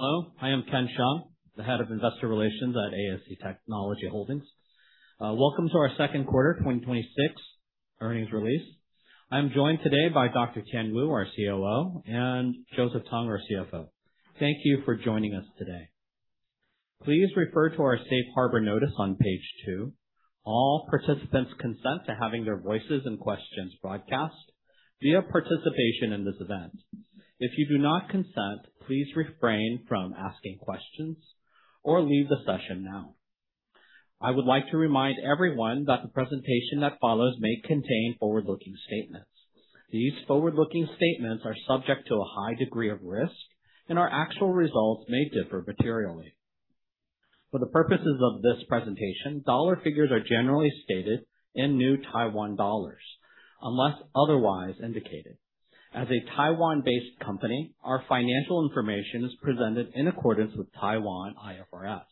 Hello, I am Ken Hsiang, the Head of Investor Relations at ASE Technology Holding. Welcome to our second quarter 2026 earnings release. I am joined today by Dr. Tien Wu, our COO, and Joseph Tung, our CFO. Thank you for joining us today. Please refer to our safe harbor notice on page two. All participants consent to having their voices and questions broadcast via participation in this event. If you do not consent, please refrain from asking questions or leave the session now. I would like to remind everyone that the presentation that follows may contain forward-looking statements. These forward-looking statements are subject to a high degree of risk, our actual results may differ materially. For the purposes of this presentation, dollar figures are generally stated in New Taiwan dollars unless otherwise indicated. As a Taiwan-based company, our financial information is presented in accordance with Taiwan IFRS.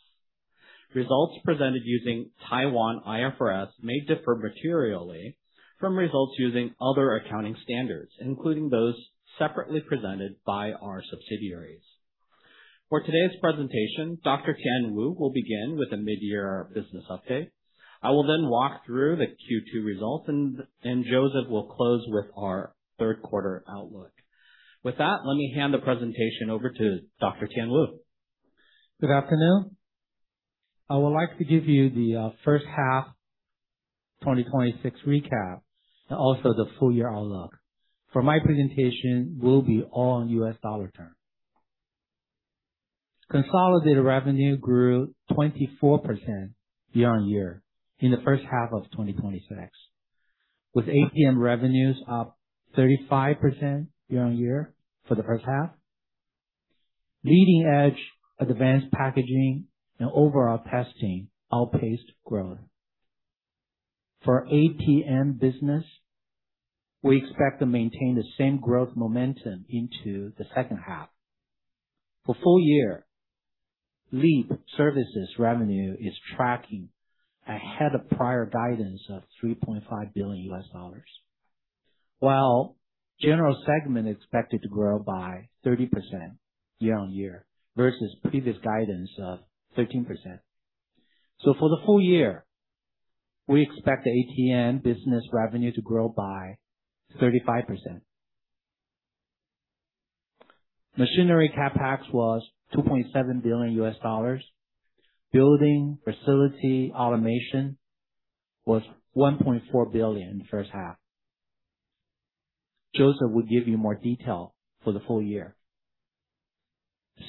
Results presented using Taiwan IFRS may differ materially from results using other accounting standards, including those separately presented by our subsidiaries. For today's presentation, Dr. Tien Wu will begin with a mid-year business update. I will then walk through the Q2 results, and Joseph will close with our third quarter outlook. With that, let me hand the presentation over to Dr. Tien Wu. Good afternoon. I would like to give you the first half 2026 recap, also the full-year outlook. For my presentation, will be all in U.S. dollar term. Consolidated revenue grew 24% year-over-year in the first half of 2026, with ATM revenues up 35% year-over-year for the first half. Leading edge, advanced packaging and overall testing outpaced growth. For ATM business, we expect to maintain the same growth momentum into the second half. For full-year, LEAP services revenue is tracking ahead of prior guidance of $3.5 billion, while general segment expected to grow by 30% year-over-year versus previous guidance of 13%. For the full-year, we expect the ATM business revenue to grow by 35%. Machinery CapEx was $2.7 billion. Building facility automation was $1.4 billion the first half. Joseph will give you more detail for the full-year.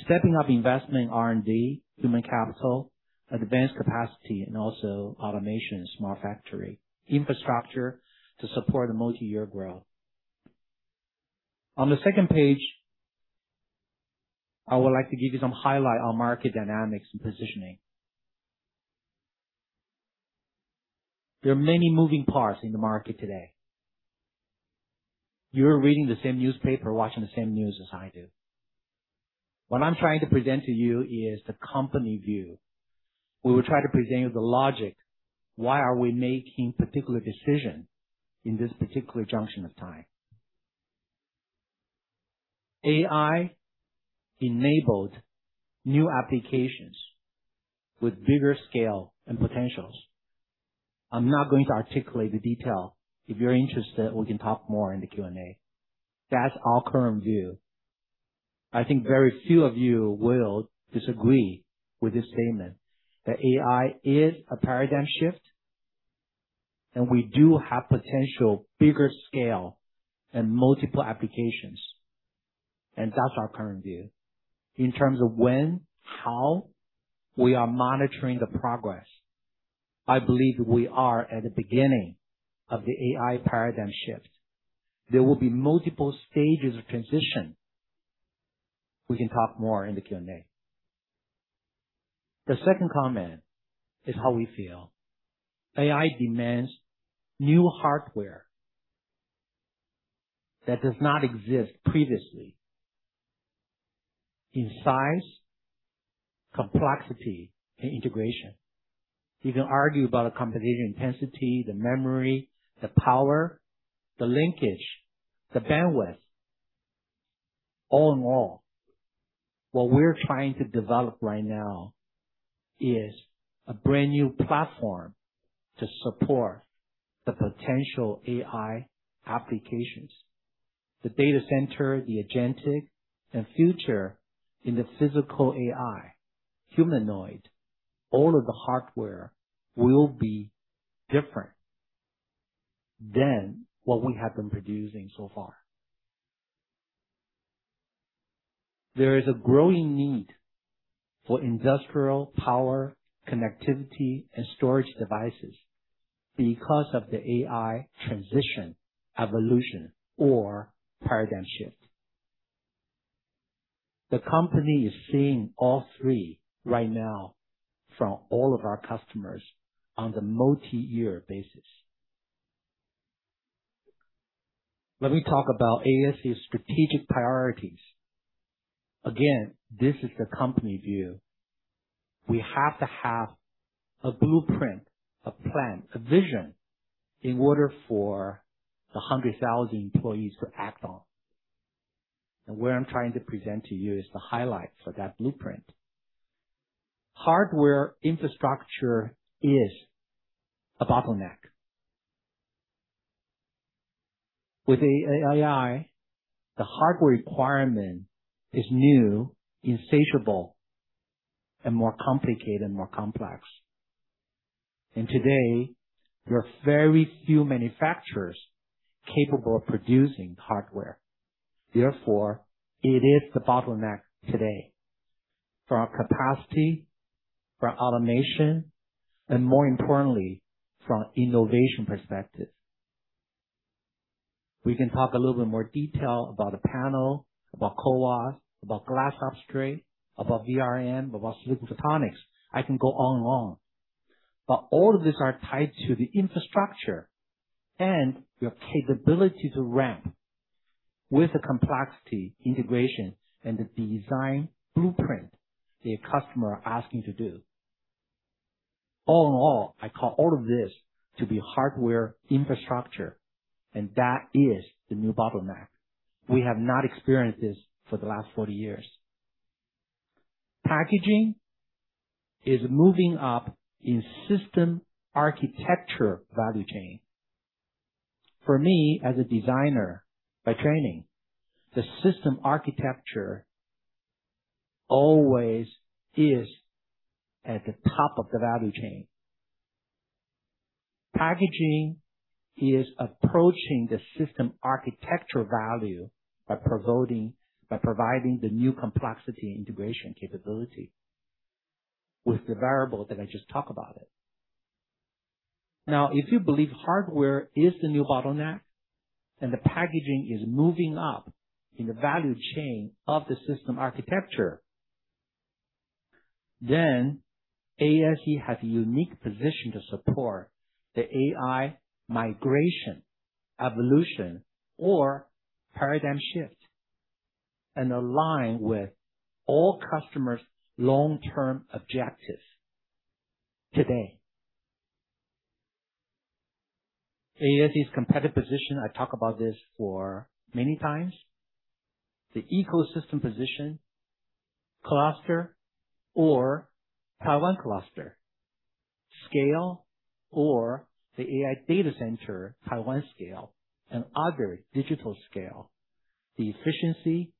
Stepping up investment in R&D, human capital, advanced capacity, also automation, smart factory infrastructure to support the multi-year growth. On the second page, I would like to give you some highlight on market dynamics and positioning. There are many moving parts in the market today. You are reading the same newspaper, watching the same news as I do. What I am trying to present to you is the company view. We will try to present you the logic, why are we making particular decision in this particular juncture of time? AI enabled new applications with bigger scale and potentials. I am not going to articulate the detail. If you are interested, we can talk more in the Q&A. That is our current view. I think very few of you will disagree with this statement, that AI is a paradigm shift, and we do have potential bigger scale and multiple applications, and that's our current view. In terms of when, how, we are monitoring the progress. I believe we are at the beginning of the AI paradigm shift. There will be multiple stages of transition. We can talk more in the Q&A. The second comment is how we feel AI demands new hardware that does not exist previously in size, complexity, and integration. You can argue about the computation intensity, the memory, the power, the linkage, the bandwidth. All in all, what we're trying to develop right now is a brand new platform to support the potential AI applications. The data center, the agentic, and future in the physical AI, humanoid, all of the hardware will be different than what we have been producing so far. There is a growing need for industrial power, connectivity, and storage devices because of the AI transition, evolution, or paradigm shift. The company is seeing all three right now from all of our customers on the multi-year basis. Let me talk about ASE's strategic priorities. Again, this is the company view. We have to have a blueprint, a plan, a vision in order for 100,000 employees to act on. What I'm trying to present to you is the highlights of that blueprint. Hardware infrastructure is a bottleneck. With AI, the hardware requirement is new, insatiable, and more complicated, more complex. Today, there are very few manufacturers capable of producing hardware. Therefore, it is the bottleneck today from a capacity, from automation, and more importantly, from innovation perspective. We can talk a little bit more detail about the panel, about CoWoS, about glass substrate, about VRM, about silicon photonics. I can go on and on. All of these are tied to the infrastructure and your capability to ramp with the complexity, integration, and the design blueprint the customer asking to do. All in all, I call all of this to be hardware infrastructure, and that is the new bottleneck. We have not experienced this for the last 40 years. Packaging is moving up in system architecture value chain. For me, as a designer by training, the system architecture always is at the top of the value chain. Packaging is approaching the system architecture value by providing the new complexity integration capability with the variable that I just talk about it. If you believe hardware is the new bottleneck, the packaging is moving up in the value chain of the system architecture, then ASE has a unique position to support the AI migration, evolution, or paradigm shift, and align with all customers' long-term objectives today. ASE's competitive position, I talk about this for many times. The ecosystem position, cluster or Taiwan cluster, scale or the AI data center, Taiwan scale, and other digital scale. The efficiency.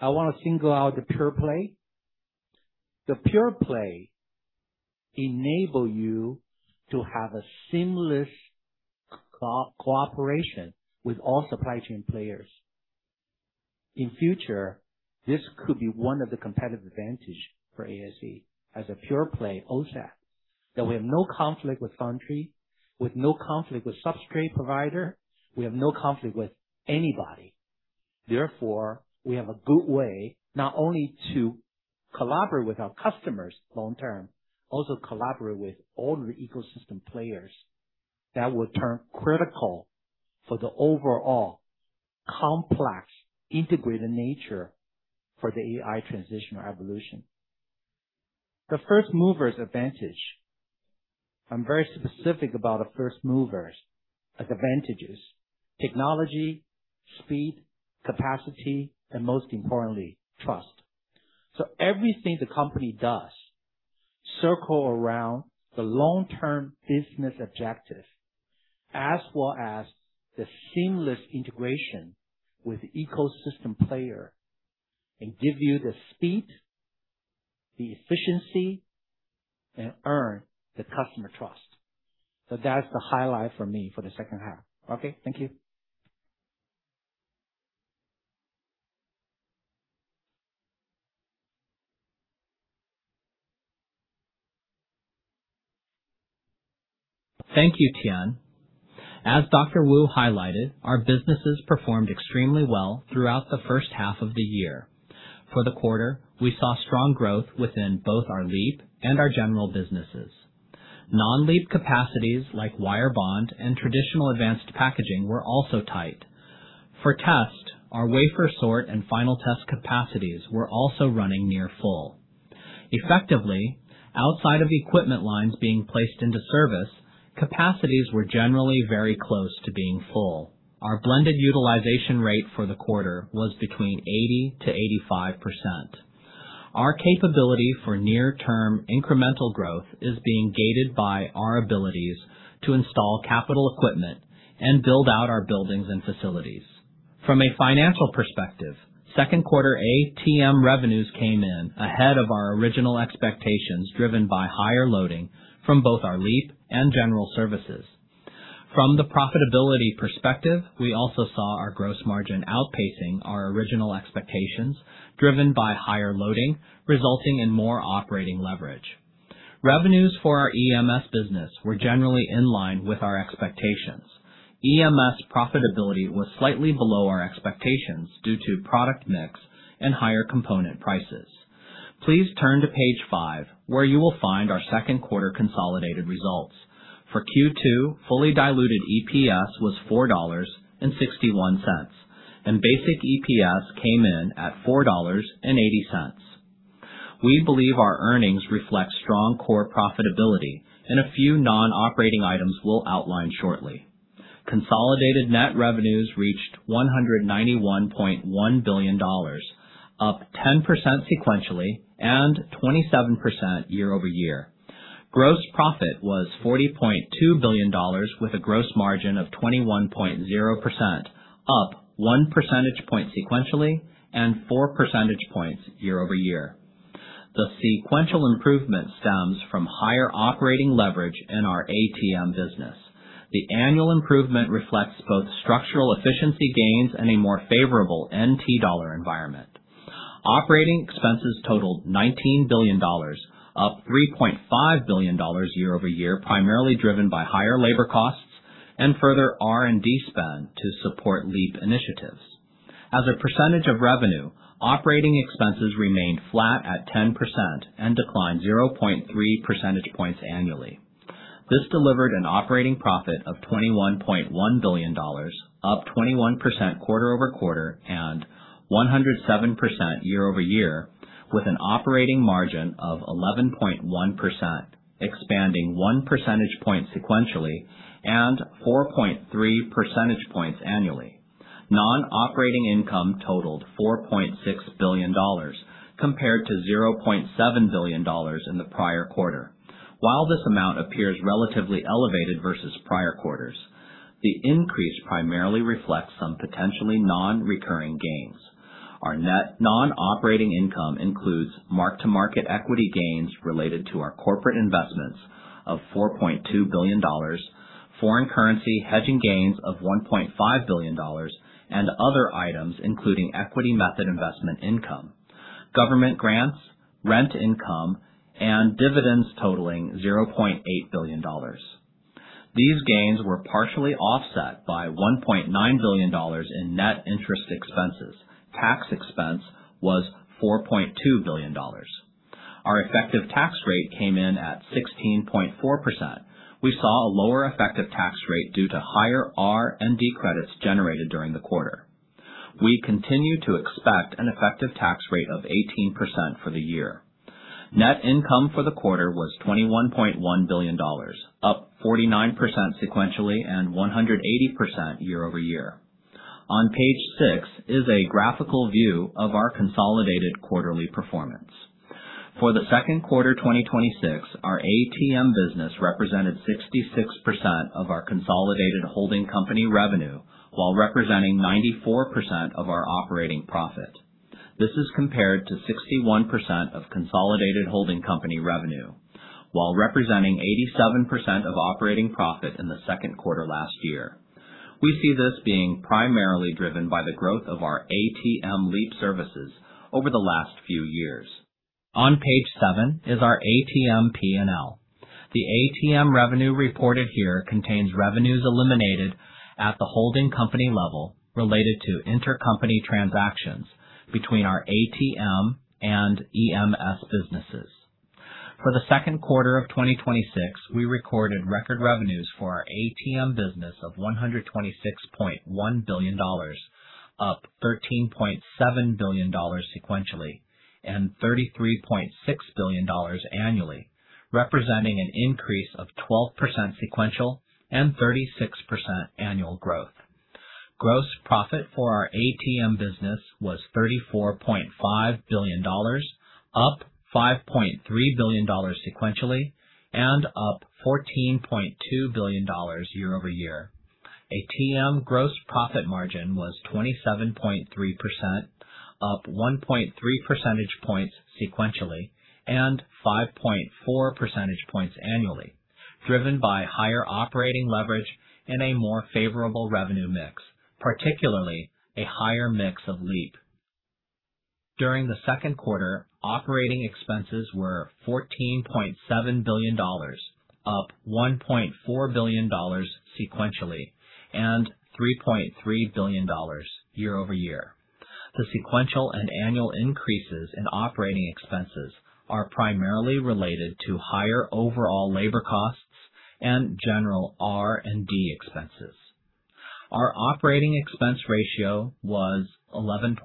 I want to single out the pure-play. The pure-play enable you to have a seamless cooperation with all supply chain players. In future, this could be one of the competitive advantage for ASE as a pure-play OSAT, that we have no conflict with foundry, with no conflict with substrate provider. We have no conflict with anybody. We have a good way, not only to collaborate with our customers long term, also collaborate with all the ecosystem players that will turn critical for the overall complex integrated nature for the AI transition or evolution. The first movers advantage. I'm very specific about the first movers advantages, technology, speed, capacity, and most importantly, trust. Everything the company does circles around the long-term business objective, as well as the seamless integration with ecosystem player and give you the speed, the efficiency, and earn the customer trust. That's the highlight for me for the second half. Thank you. Thank you, Tien. As Dr. Wu highlighted, our businesses performed extremely well throughout the first half of the year. For the quarter, we saw strong growth within both our LEAP and our general businesses. Non-LEAP capacities like wire bond and traditional advanced packaging were also tight. For test, our wafer sort and final test capacities were also running near full. Effectively, outside of equipment lines being placed into service, capacities were generally very close to being full. Our blended utilization rate for the quarter was between 80%-85%. Our capability for near-term incremental growth is being gated by our abilities to install capital equipment and build out our buildings and facilities. From a financial perspective, second quarter ATM revenues came in ahead of our original expectations, driven by higher loading from both our LEAP and general services. From the profitability perspective, we also saw our gross margin outpacing our original expectations, driven by higher loading, resulting in more operating leverage. Revenues for our EMS business were generally in line with our expectations. EMS profitability was slightly below our expectations due to product mix and higher component prices. Please turn to page five, where you will find our second quarter consolidated results. For Q2, fully diluted EPS was 4.61 dollars, and basic EPS came in at 4.80 dollars. We believe our earnings reflect strong core profitability and a few non-operating items we'll outline shortly. Consolidated net revenues reached 191.1 billion dollars, up 10% sequentially and 27% year-over-year. Gross profit was 40.2 billion dollars, with a gross margin of 21.0%, up 1 percentage point sequentially and 4 percentage points year-over-year. The sequential improvement stems from higher operating leverage in our ATM business. The annual improvement reflects both structural efficiency gains and a more favorable NT dollar environment. Operating expenses totaled 19 billion dollars, up 3.5 billion dollars year-over-year, primarily driven by higher labor costs and further R&D spend to support LEAP initiatives. As a percentage of revenue, operating expenses remained flat at 10% and declined 0.3 percentage points annually. This delivered an operating profit of 21.1 billion dollars, up 21% quarter-over-quarter and 107% year-over-year, with an operating margin of 11.1%, expanding 1 percentage point sequentially and 4.3 percentage points annually. Non-operating income totaled 4.6 billion dollars compared to 0.7 billion dollars in the prior quarter. While this amount appears relatively elevated versus prior quarters, the increase primarily reflects some potentially non-recurring gains. Our net non-operating income includes mark-to-market equity gains related to our corporate investments of 4.2 billion dollars, foreign currency hedging gains of 1.5 billion dollars, and other items, including equity method investment income, government grants, rent income, and dividends totaling 0.8 billion dollars. These gains were partially offset by 1.9 billion dollars in net interest expenses. Tax expense was 4.2 billion dollars. Our effective tax rate came in at 16.4%. We saw a lower effective tax rate due to higher R&D credits generated during the quarter. We continue to expect an effective tax rate of 18% for the year. Net income for the quarter was 21.1 billion dollars, up 49% sequentially and 180% year-over-year. On page six, is a graphical view of our consolidated quarterly performance. For the second quarter 2026, our ATM business represented 66% of our consolidated holding company revenue while representing 94% of our operating profit. This is compared to 61% of consolidated holding company revenue while representing 87% of operating profit in the second quarter last year. We see this being primarily driven by the growth of our ATM LEAP services over the last few years. On page seven is our ATM P&L. The ATM revenue reported here contains revenues eliminated at the holding company level related to intercompany transactions between our ATM and EMS businesses. For the second quarter of 2026, we recorded record revenues for our ATM business of TWD 126.1 billion, up TWD 13.7 billion sequentially and TWD 33.6 billion annually, representing an increase of 12% sequential and 36% annual growth. Gross profit for our ATM business was TWD 34.5 billion, up TWD 5.3 billion sequentially and up TWD 14.2 billion year-over-year. ATM gross profit margin was 27.3%, up 1.3 percentage points sequentially and 5.4 percentage points annually, driven by higher operating leverage and a more favorable revenue mix, particularly a higher mix of LEAP. During the second quarter, operating expenses were 14.7 billion dollars, up 1.4 billion dollars sequentially and 3.3 billion dollars year-over-year. The sequential and annual increases in operating expenses are primarily related to higher overall labor costs and general R&D expenses. Our operating expense ratio was 11.7%,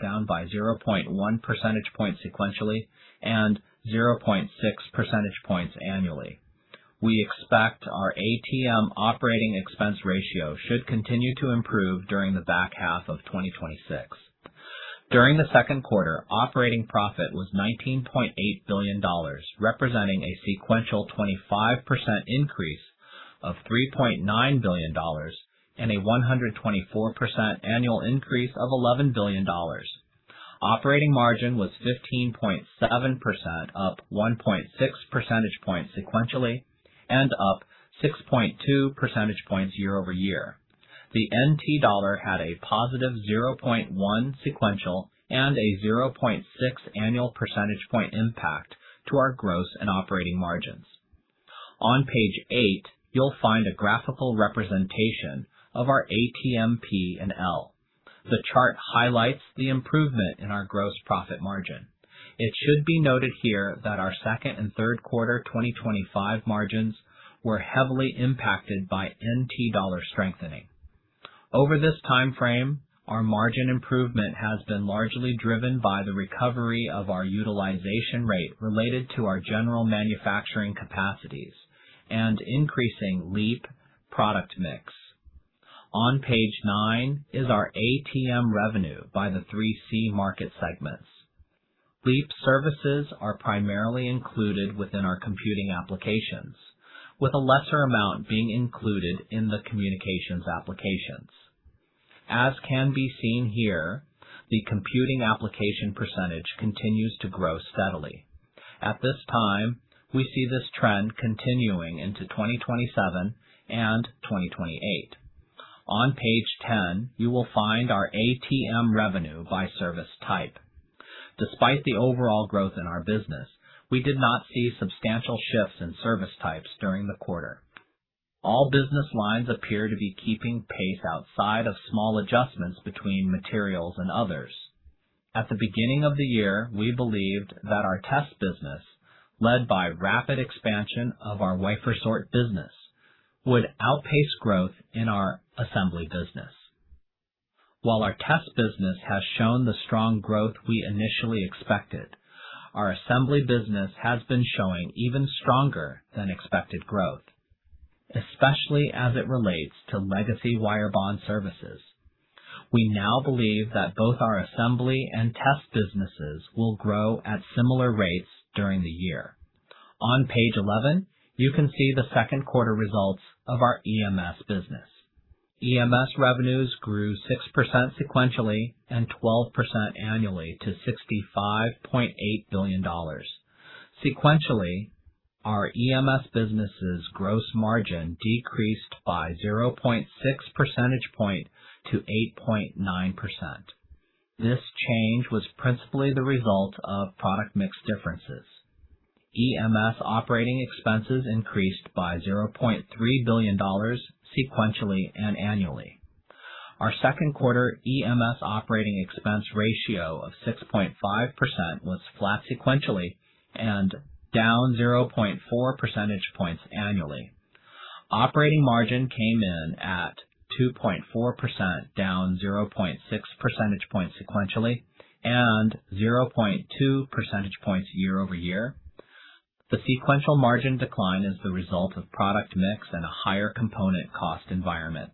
down by 0.1 percentage points sequentially and 0.6 percentage points annually. We expect our ATM operating expense ratio should continue to improve during the back half of 2026. During the second quarter, operating profit was 19.8 billion dollars, representing a sequential 25% increase of 3.9 billion dollars and a 124% annual increase of 11 billion dollars. Operating margin was 15.7%, up 1.6 percentage points sequentially and up 6.2 percentage points year-over-year. The NT dollar had a +0.1 sequential and a 0.6 annual percentage point impact to our gross and operating margins. On page eight, you'll find a graphical representation of our ATM P&L. The chart highlights the improvement in our gross profit margin. It should be noted here that our second and third quarter 2025 margins were heavily impacted by NT dollar strengthening. Over this timeframe, our margin improvement has been largely driven by the recovery of our utilization rate related to our general manufacturing capacities and increasing LEAP product mix. On page nine is our ATM revenue by the 3C market segments. LEAP services are primarily included within our computing applications, with a lesser amount being included in the communications applications. As can be seen here, the computing application percentage continues to grow steadily. At this time, we see this trend continuing into 2027 and 2028. On page 10, you will find our ATM revenue by service type. Despite the overall growth in our business, we did not see substantial shifts in service types during the quarter. All business lines appear to be keeping pace outside of small adjustments between materials and others. At the beginning of the year, we believed that our test business, led by rapid expansion of our wafer sort business, would outpace growth in our assembly business. While our test business has shown the strong growth we initially expected, our assembly business has been showing even stronger than expected growth, especially as it relates to legacy wire bond services. We now believe that both our assembly and test businesses will grow at similar rates during the year. On page 11, you can see the second quarter results of our EMS business. EMS revenues grew 6% sequentially and 12% annually to 65.8 billion dollars. Sequentially, our EMS business' gross margin decreased by 0.6 percentage point to 8.9%. This change was principally the result of product mix differences. EMS operating expenses increased by 0.3 billion dollars sequentially and annually. Our second quarter EMS operating expense ratio of 6.5% was flat sequentially and down 0.4 percentage points annually. Operating margin came in at 2.4%, down 0.6 percentage points sequentially and 0.2 percentage points year-over-year. The sequential margin decline is the result of product mix and a higher component cost environment.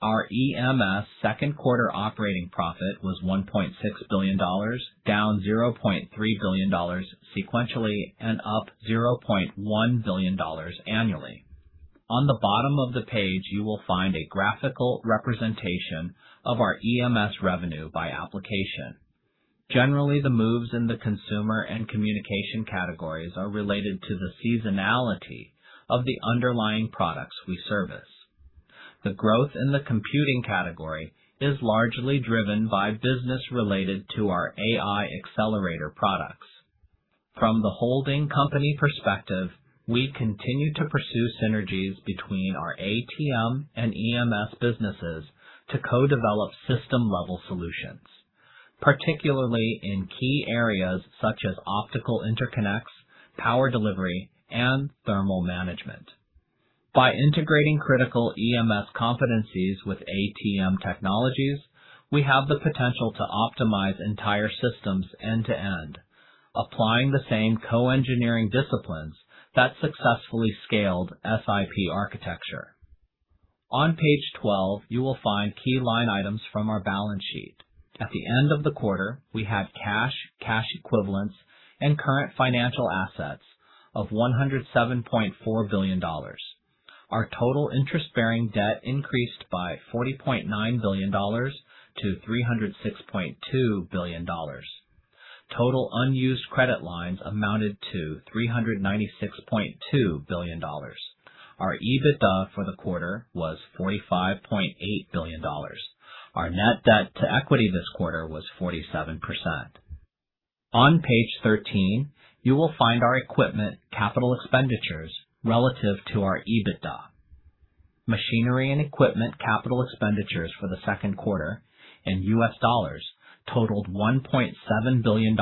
Our EMS second quarter operating profit was 1.6 billion dollars, down 0.3 billion dollars sequentially and up 0.1 billion dollars annually. On the bottom of the page, you will find a graphical representation of our EMS revenue by application. Generally, the moves in the consumer and communication categories are related to the seasonality of the underlying products we service. The growth in the computing category is largely driven by business related to our AI accelerator products. From the holding company perspective, we continue to pursue synergies between our ATM and EMS businesses to co-develop system-level solutions, particularly in key areas such as optical interconnects, power delivery, and thermal management. By integrating critical EMS competencies with ATM technologies, we have the potential to optimize entire systems end to end, applying the same co-engineering disciplines that successfully scaled SiP architecture. On page 12, you will find key line items from our balance sheet. At the end of the quarter, we had cash equivalents, and current financial assets of 107.4 billion dollars. Our total interest-bearing debt increased by 40.9 billion dollars to 306.2 billion dollars. Total unused credit lines amounted to 396.2 billion dollars. Our EBITDA for the quarter was 45.8 billion dollars. Our net debt to equity this quarter was 47%. On page 13, you will find our equipment capital expenditures relative to our EBITDA. Machinery and equipment capital expenditures for the second quarter in U.S. dollars totaled $1.7 billion,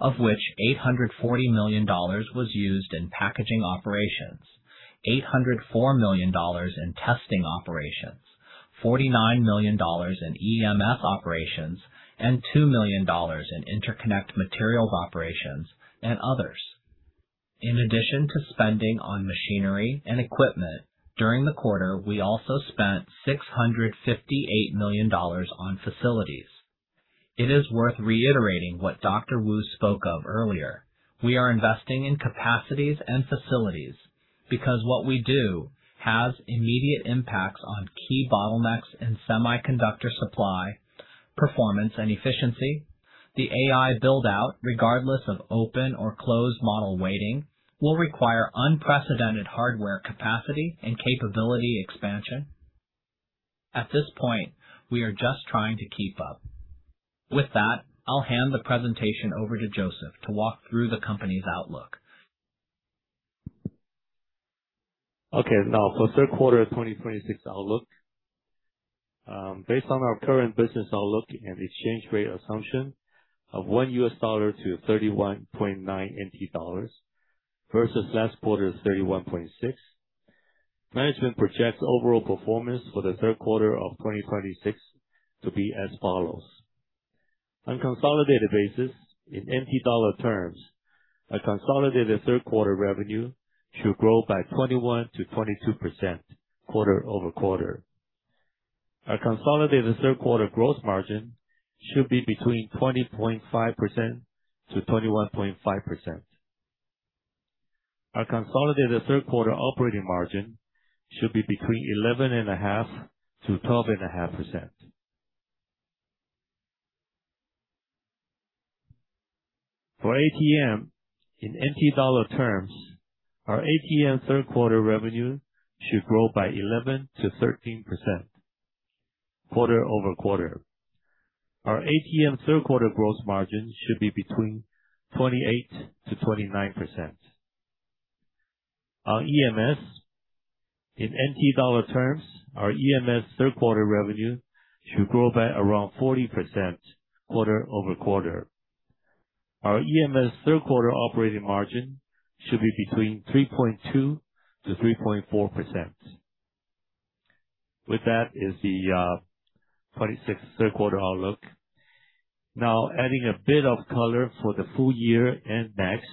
of which $840 million was used in packaging operations, $804 million in testing operations, $49 million in EMS operations, and $2 million in interconnect materials operations and others. In addition to spending on machinery and equipment, during the quarter, we also spent 658 million dollars on facilities. It is worth reiterating what Dr. Wu spoke of earlier. We are investing in capacities and facilities because what we do has immediate impacts on key bottlenecks in semiconductor supply, performance, and efficiency. The AI build-out, regardless of open or closed model waiting, will require unprecedented hardware capacity and capability expansion. At this point, we are just trying to keep up. With that, I'll hand the presentation over to Joseph to walk through the company's outlook. Okay. Now, for the third quarter 2026 outlook. Based on our current business outlook and exchange rate assumption of $1 to 31.9 NT dollars versus last quarter's 31.6, management projects overall performance for the third quarter of 2026 to be as follows. On consolidated basis, in TWD terms, our consolidated third quarter revenue should grow by 21%-22% quarter-over-quarter. Our consolidated third quarter gross margin should be between 20.5%-21.5%. Our consolidated third quarter operating margin should be between 11.5%-12.5%. For ATM, in TWD terms, our ATM third quarter revenue should grow by 11%-13% quarter-over-quarter. Our ATM third quarter growth margin should be between 28%-29%. Our EMS, in TWD terms, our EMS third quarter revenue should grow by around 40% quarter-over-quarter. Our EMS third quarter operating margin should be between 3.2%-3.4%. With that is the 2026 third quarter outlook. Adding a bit of color for the full-year and next.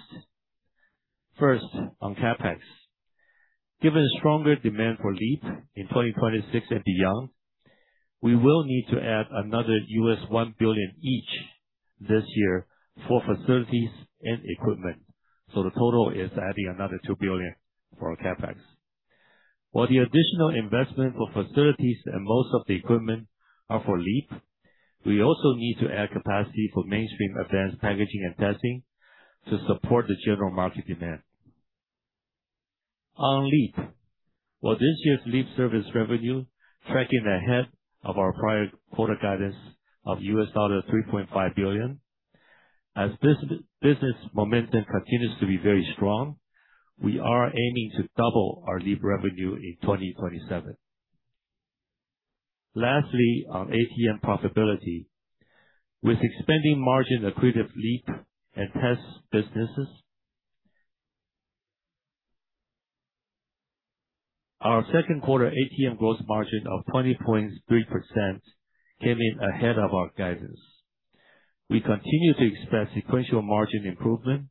First, on CapEx. Given the stronger demand for LEAP in 2026 and beyond, we will need to add another $1 billion each this year for facilities and equipment. So the total is adding another $2 billion for our CapEx. While the additional investment for facilities and most of the equipment are for LEAP, we also need to add capacity for mainstream advanced packaging and testing to support the general market demand. On LEAP. While this year's LEAP service revenue tracking ahead of our prior quarter guidance of $3.5 billion, as business momentum continues to be very strong, we are aiming to double our LEAP revenue in 2027. Lastly, on ATM profitability. With expanding margin accretive LEAP and test businesses, our second quarter ATM gross margin of 27.3% came in ahead of our guidance. We continue to expect sequential margin improvement,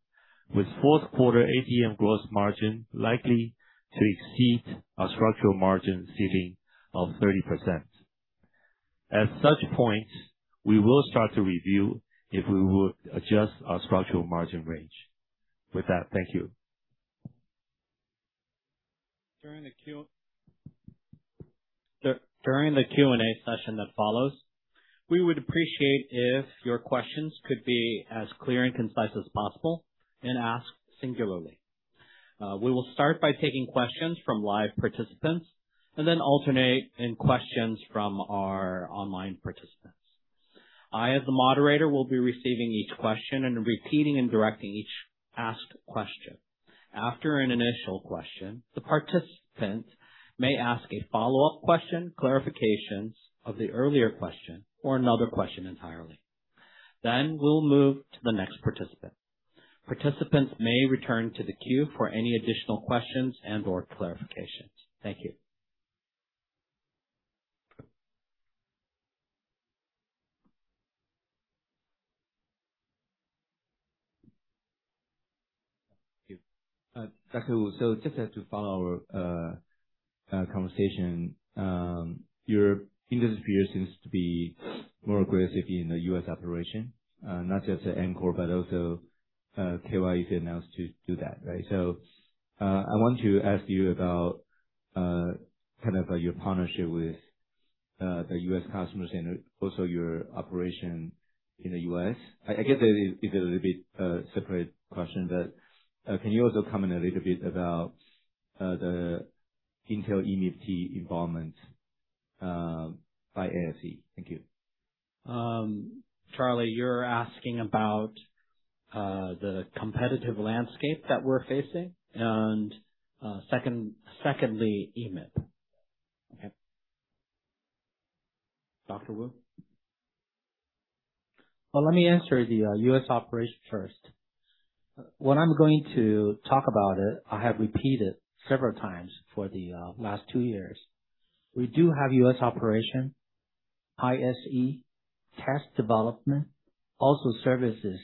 with fourth quarter ATM gross margin likely to exceed our structural margin ceiling of 30%. At such point, we will start to review if we would adjust our structural margin range. With that, thank you. During the Q&A session that follows, we would appreciate if your questions could be as clear and concise as possible and asked singularly. We will start by taking questions from live participants and then alternate in questions from our online participants. I, as the moderator, will be receiving each question and repeating and directing each asked question. After an initial question, the participant may ask a follow-up question, clarifications of the earlier question, or another question entirely. We'll move to the next participant. Participants may return to the queue for any additional questions and/or clarifications. Thank you. Thank you. Dr. Wu, just to follow our conversation, your industry peer seems to be more aggressive in the U.S. operation, not just Amkor, but also KY has announced to do that, right? I want to ask you about your partnership with the U.S. customers and also your operation in the U.S. I guess that is a little bit separate question, but can you also comment a little bit about the Intel EMIB-T involvement by ASE? Thank you. Charlie, you're asking about the competitive landscape that we're facing, secondly, EMIB. Dr. Wu? Well, let me answer the U.S. operation first. What I'm going to talk about, I have repeated several times for the last two years. We do have U.S. operation, ISE, test development, also services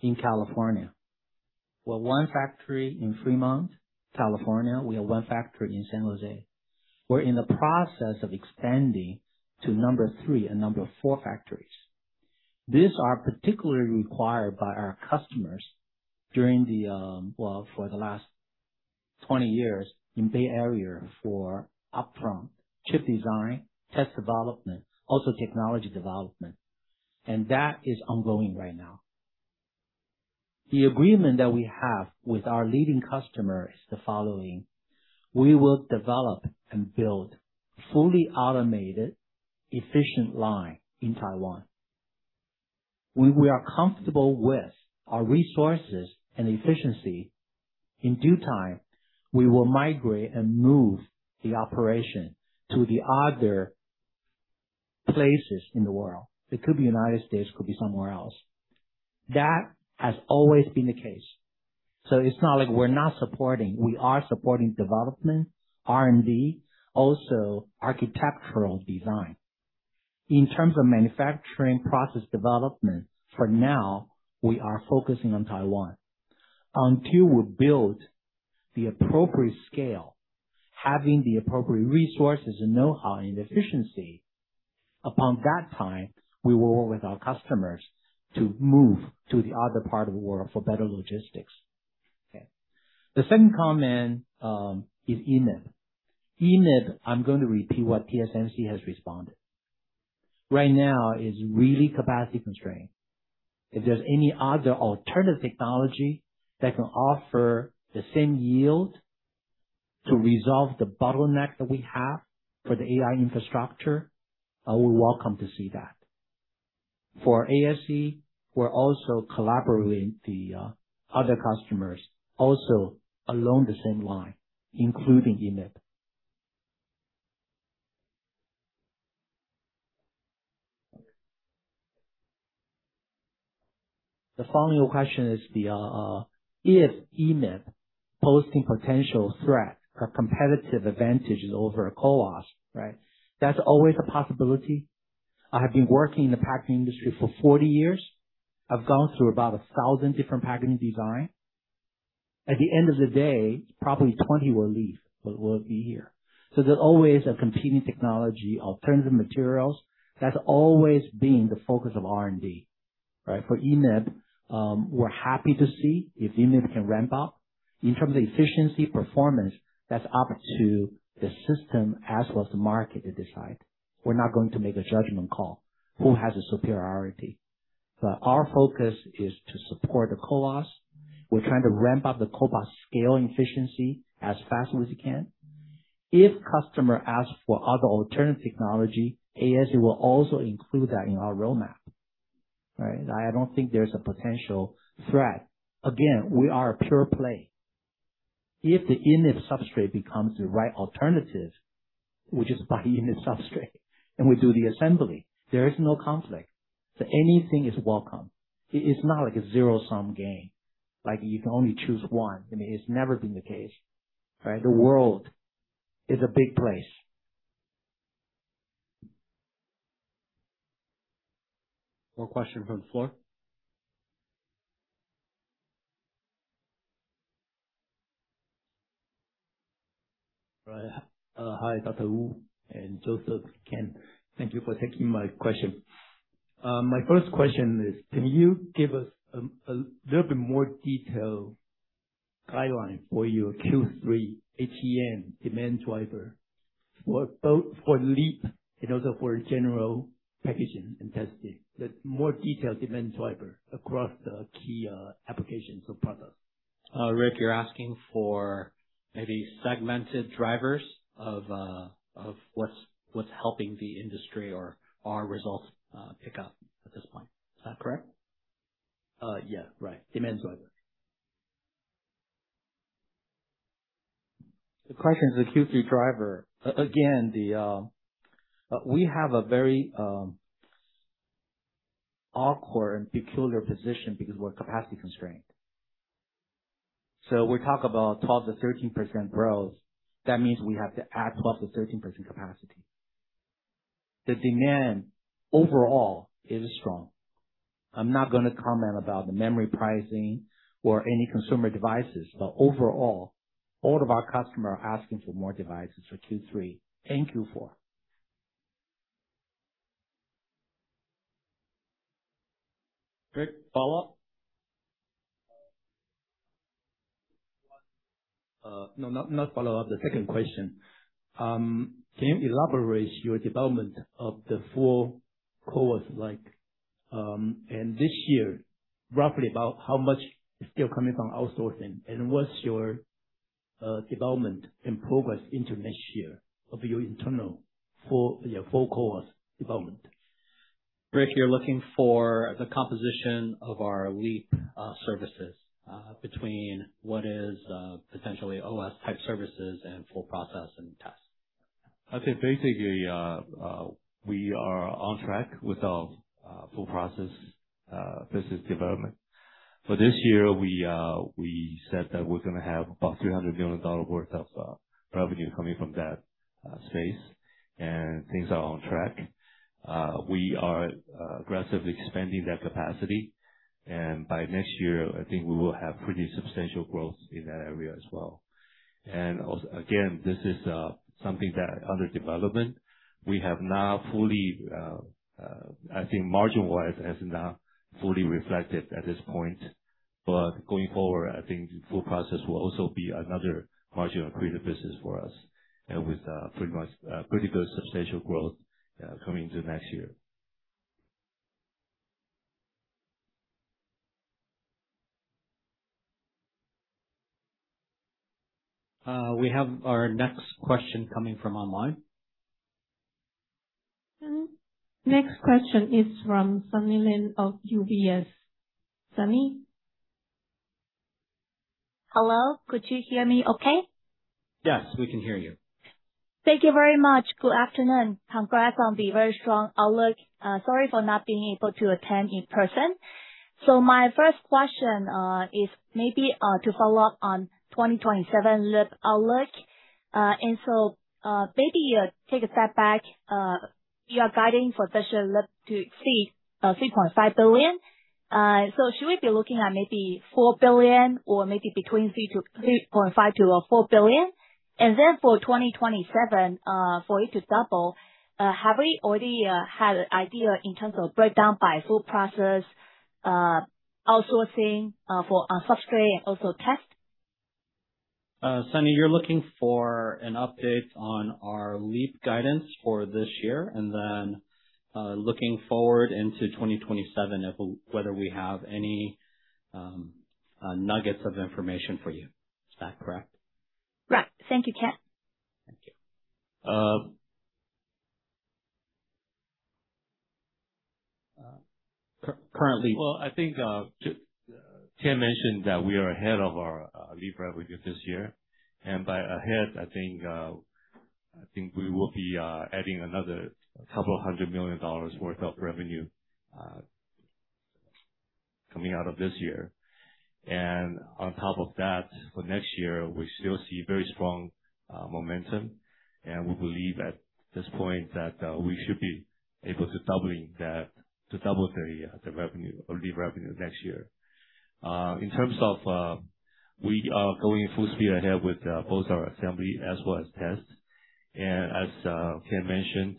in California. We have one factory in Fremont, California. We have one factory in San Jose. We're in the process of extending to number three and number four factories. These are particularly required by our customers during the Well, for the last 20 years in Bay Area for upfront chip design, test development, also technology development. That is ongoing right now. The agreement that we have with our leading customer is the following: We will develop and build fully automated, efficient line in Taiwan. When we are comfortable with our resources and efficiency, in due time, we will migrate and move the operation to the other places in the world. It could be U.S., could be somewhere else. That has always been the case. It's not like we're not supporting. We are supporting development, R&D, also architectural design. In terms of manufacturing process development, for now, we are focusing on Taiwan. Until we build the appropriate scale, having the appropriate resources and know-how and efficiency, upon that time, we will work with our customers to move to the other part of the world for better logistics. The second comment is EMIB. EMIB, I'm going to repeat what TSMC has responded. Right now it's really capacity constrained. If there's any other alternative technology that can offer the same yield to resolve the bottleneck that we have for the AI infrastructure, I will welcome to see that. For ASE, we're also collaborating the other customers also along the same line, including EMIB. The following question is, if EMIB posting potential threat or competitive advantages over a CoWoS, right? That's always a possibility. I have been working in the packaging industry for 40 years. I've gone through about 1,000 different packaging design. At the end of the day, probably 20 will leave, but will be here. There's always a competing technology, alternative materials. That's always been the focus of R&D, right? For EMIB, we're happy to see if EMIB can ramp up. In terms of efficiency, performance, that's up to the system as well as the market to decide. We're not going to make a judgment call who has a superiority. Our focus is to support the CoWoS. We're trying to ramp up the CoWoS scale and efficiency as fast as we can. If customer asks for other alternative technology, ASE will also include that in our roadmap, right? I don't think there's a potential threat. Again, we are a pure play. If the EMIB substrate becomes the right alternative, we'll just buy EMIB substrate and we do the assembly. There is no conflict. Anything is welcome. It's not like a zero-sum game, like you can only choose one. It's never been the case. The world is a big place. More question from the floor? Hi, Dr. Wu, Joseph, and Ken. Thank you for taking my question. My first question is, can you give us a little bit more detail guideline for your Q3 ATM demand driver for both for LEAP and also for general packaging and testing, the more detailed demand driver across the key applications or products. Rick, you're asking for maybe segmented drivers of what's helping the industry or our results pick up at this point. Is that correct? Yeah, right. Demand driver. The question is the Q3 driver. Again, we have a very awkward and peculiar position because we're capacity constrained. We talk about 12%-13% growth. That means we have to add 12%-13% capacity. The demand overall is strong. I'm not going to comment about the memory pricing or any consumer devices. Overall, all of our customers are asking for more devices for Q3 and Q4. Rick, follow up? No, not follow up. The second question, can you elaborate your development of the full CoWoS like this year, roughly about how much is still coming from outsourcing, and what's your development and progress into next year of your internal full CoWoS development? Rick, you're looking for the composition of our LEAP services, between what is potentially OS-type services and full process and test. Okay. Basically, we are on track with our full process business development. For this year, we said that we're going to have about $300 million worth of revenue coming from that space, and things are on track. We are aggressively expanding that capacity. By next year, I think we will have pretty substantial growth in that area as well. Again, this is something that under development. I think margin wise, it has not fully reflected at this point. Going forward, I think the full process will also be another margin accretive business for us, and with pretty good substantial growth coming into next year. We have our next question coming from online. Next question is from Sunny Lin of UBS. Sunny? Hello. Could you hear me okay? Yes, we can hear you. Thank you very much. Good afternoon. Congrats on the very strong outlook. Sorry for not being able to attend in person. My first question is maybe to follow up on 2027 LEAP outlook. Maybe take a step back, you are guiding for special LEAP to exceed 3.5 billion. Should we be looking at maybe 4 billion or maybe between 3.5 billion-4 billion? For 2027, for it to double, have we already had an idea in terms of breakdown by full process, outsourcing for substrate and also test? Sunny, you're looking for an update on our LEAP guidance for this year, looking forward into 2027, whether we have any nuggets of information for you. Is that correct? Right. Thank you, Ken. Thank you. I think Ken mentioned that we are ahead of our LEAP revenue this year, by ahead, I think we will be adding another $200 million worth of revenue coming out of this year. On top of that, for next year, we still see very strong momentum, and we believe at this point that we should be able to double the LEAP revenue next year. We are going full speed ahead with both our assembly as well as test. As Ken mentioned,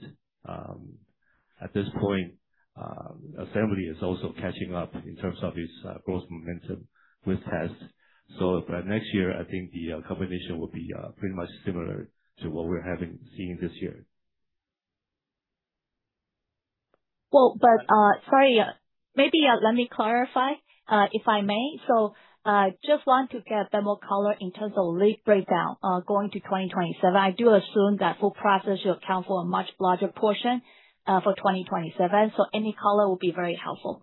at this point, assembly is also catching up in terms of its growth momentum with test. By next year, I think the combination will be pretty much similar to what we're seeing this year. Sorry, maybe let me clarify if I may. Just want to get a bit more color in terms of LEAP breakdown going to 2027. I do assume that full process should account for a much larger portion for 2027. Any color will be very helpful.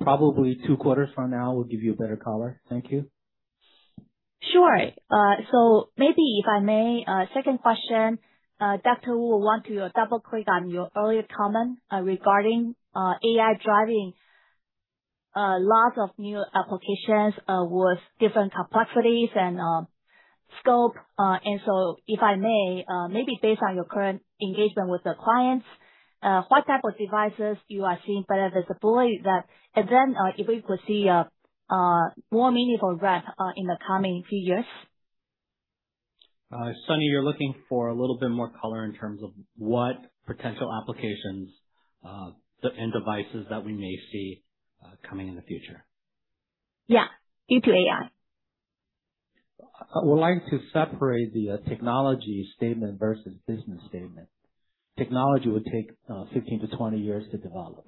Probably two quarters from now will give you a better color. Thank you. Sure. So maybe if I may, second question. Dr. Wu, want to double-click on your earlier comment regarding AI driving lots of new applications with different complexities and scope. If I may, maybe based on your current engagement with the clients, what type of devices you are seeing better deployed that, and then if we could see more meaningful ramp in the coming few years? Sunny, you're looking for a little bit more color in terms of what potential applications and devices that we may see coming in the future. Yeah, due to AI. I would like to separate the technology statement versus business statement. Technology would take 15-20 years to develop.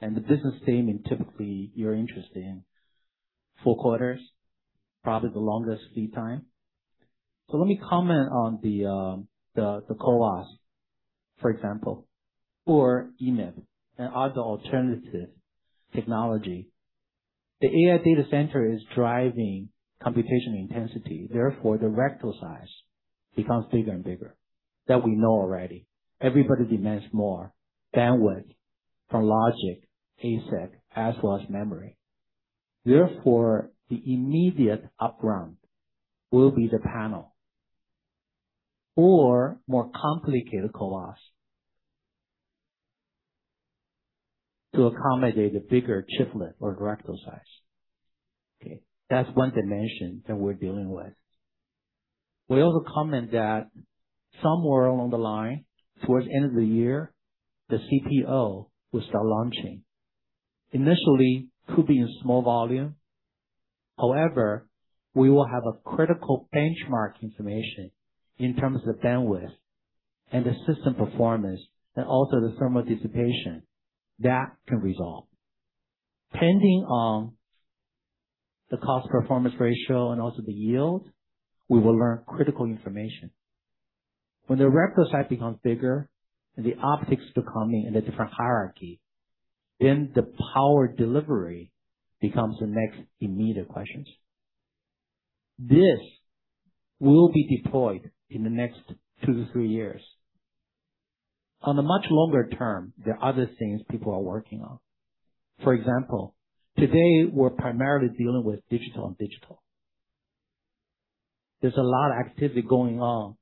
The business statement, typically, you're interested in four quarters, probably the longest lead time. Let me comment on the CoWoS, for example, or EMIB and other alternative technology. The AI data center is driving computation intensity, therefore, the reticle size becomes bigger and bigger. That we know already. Everybody demands more bandwidth from logic, ASIC, as well as memory. Therefore, the immediate up-ramp will be the panel or more complicated CoWoS to accommodate a bigger chiplet or a reticle size. That's one dimension that we're dealing with. We also comment that somewhere along the line, towards the end of the year, the CPO will start launching. Initially, could be in small volume. However, we will have a critical benchmark information in terms of bandwidth and the system performance, and also the thermal dissipation that can resolve. Depending on the cost performance ratio and also the yield, we will learn critical information. When the reticle size becomes bigger and the optics to come in at a different hierarchy, the power delivery becomes the next immediate questions. This will be deployed in the next two to three years. On the much longer term, there are other things people are working on. For example, today, we're primarily dealing with digital and digital. There's a lot of activity going on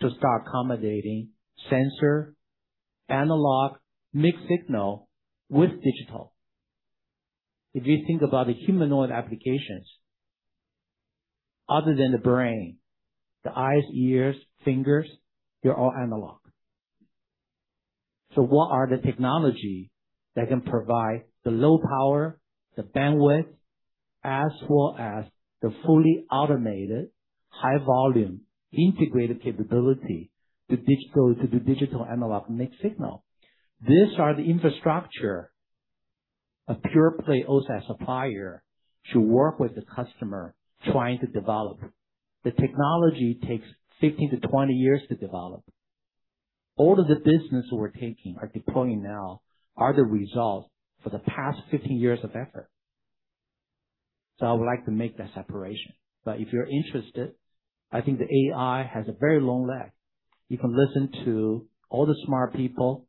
to start accommodating sensor, analog, mixed signal with digital. If you think about the humanoid applications, other than the brain, the eyes, ears, fingers, they're all analog. What are the technology that can provide the low power, the bandwidth, as well as the fully automated high volume integrated capability to do digital analog mixed signal? These are the infrastructure A pure-play OSAT supplier to work with the customer trying to develop. The technology takes 15-20 years to develop. All of the business we're taking, are deploying now, are the result for the past 15 years of effort. I would like to make that separation. If you're interested, I think the AI has a very long leg. You can listen to all the smart people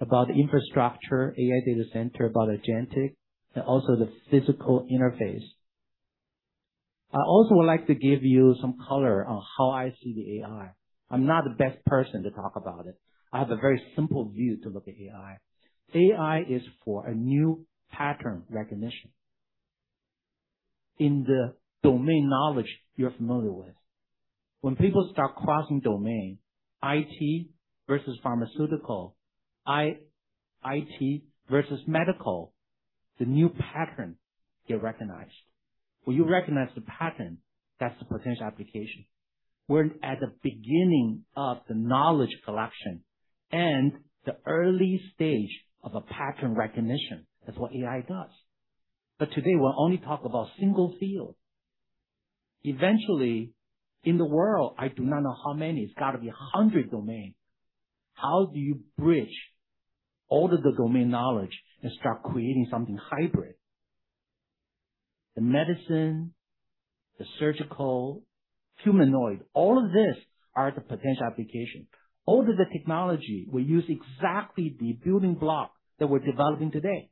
about the infrastructure, AI data center, about agentic, and also the physical interface. I also would like to give you some color on how I see the AI. I'm not the best person to talk about it, I have a very simple view to look at AI. AI is for a new pattern recognition in the domain knowledge you're familiar with. When people start crossing domain, IT versus pharmaceutical, IT versus medical, the new pattern get recognized. When you recognize the pattern, that's the potential application. We're at the beginning of the knowledge collection and the early stage of a pattern recognition. That's what AI does. Today, we'll only talk about single field. Eventually, in the world, I do not know how many, it's got to be 100 domain. How do you bridge all of the domain knowledge and start creating something hybrid? The medicine, the surgical, humanoid, all of these are the potential application. All of the technology will use exactly the building block that we're developing today.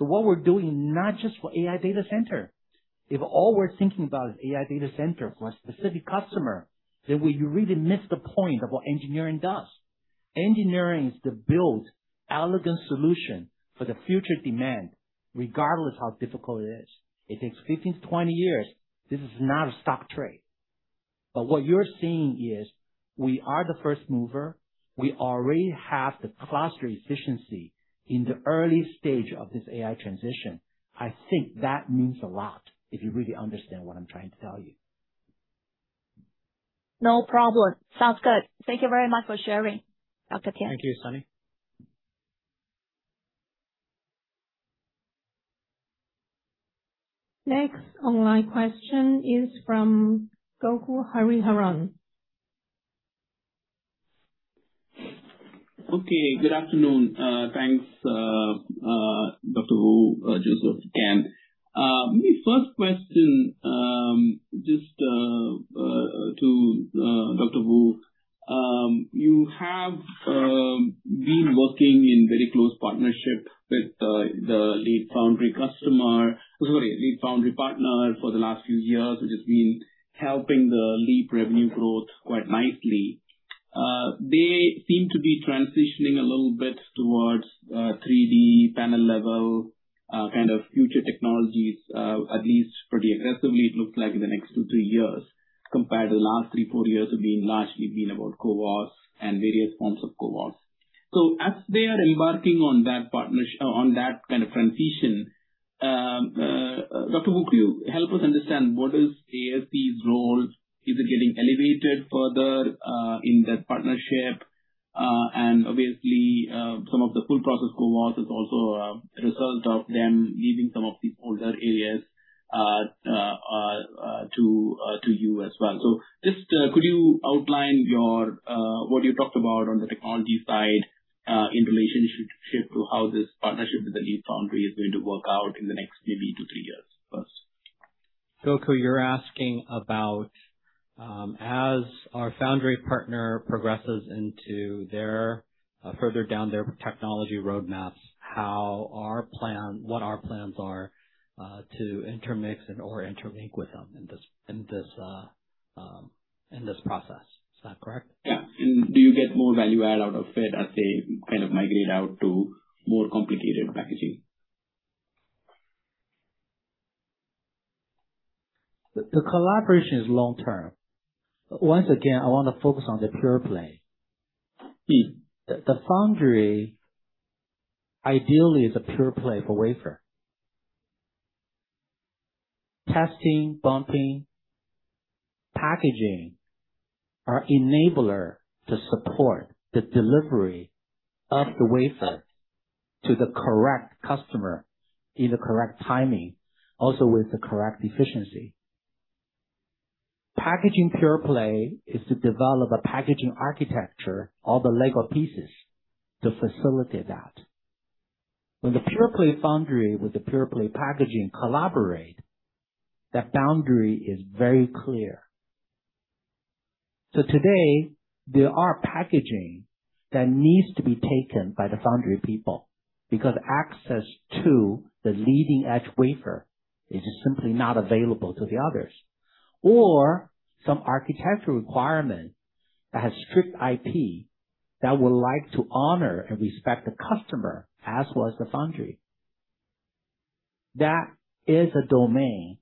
What we're doing, not just for AI data center. If all we're thinking about is AI data center for a specific customer, we really miss the point of what engineering does. Engineering is to build elegant solution for the future demand, regardless how difficult it is. It takes 15-20 years. This is not a stock trade. What you're seeing is we are the first mover. We already have the cluster efficiency in the early stage of this AI transition. I think that means a lot, if you really understand what I'm trying to tell you. No problem. Sounds good. Thank you very much for sharing, Dr. Tien. Thank you, Sunny. Next online question is from Gokul Hariharan. Good afternoon. Thanks, Dr. Wu, Joseph, and Ken. My first question, just to Dr. Wu. You have been working in very close partnership with the lead foundry customer, sorry, lead foundry partner for the last few years, which has been helping the LEAP revenue growth quite nicely. They seem to be transitioning a little bit towards 3D panel level, kind of future technologies, at least pretty aggressively, it looks like in the next two to three years, compared to the last three to four years of being largely been about CoWoS and various forms of CoWoS. As they are embarking on that kind of transition, Dr. Wu, could you help us understand what is ASE's role? Is it getting elevated further in that partnership? And obviously, some of the full process CoWoS is also a result of them leaving some of the older areas to you as well. Just could you outline what you talked about on the technology side, in relationship to how this partnership with the lead foundry is going to work out in the next maybe two to three years first? Gokul, you're asking about, as our foundry partner progresses further down their technology roadmaps, what our plans are to intermix and/or interlink with them in this process. Is that correct? Yeah. Do you get more value add out of it as they kind of migrate out to more complicated packaging? The collaboration is long-term. Once again, I want to focus on the pure-play. The foundry ideally is a pure-play for wafer. Testing, bumping, packaging are enabler to support the delivery of the wafer to the correct customer in the correct timing, also with the correct efficiency. Packaging pure-play is to develop a packaging architecture, all the Lego pieces to facilitate that. When the pure-play foundry with the pure-play packaging collaborate, that boundary is very clear. Today, there are packaging that needs to be taken by the foundry people, because access to the leading-edge wafer is simply not available to the others. Some architectural requirement that has strict IP that would like to honor and respect the customer as well as the foundry. That is a domain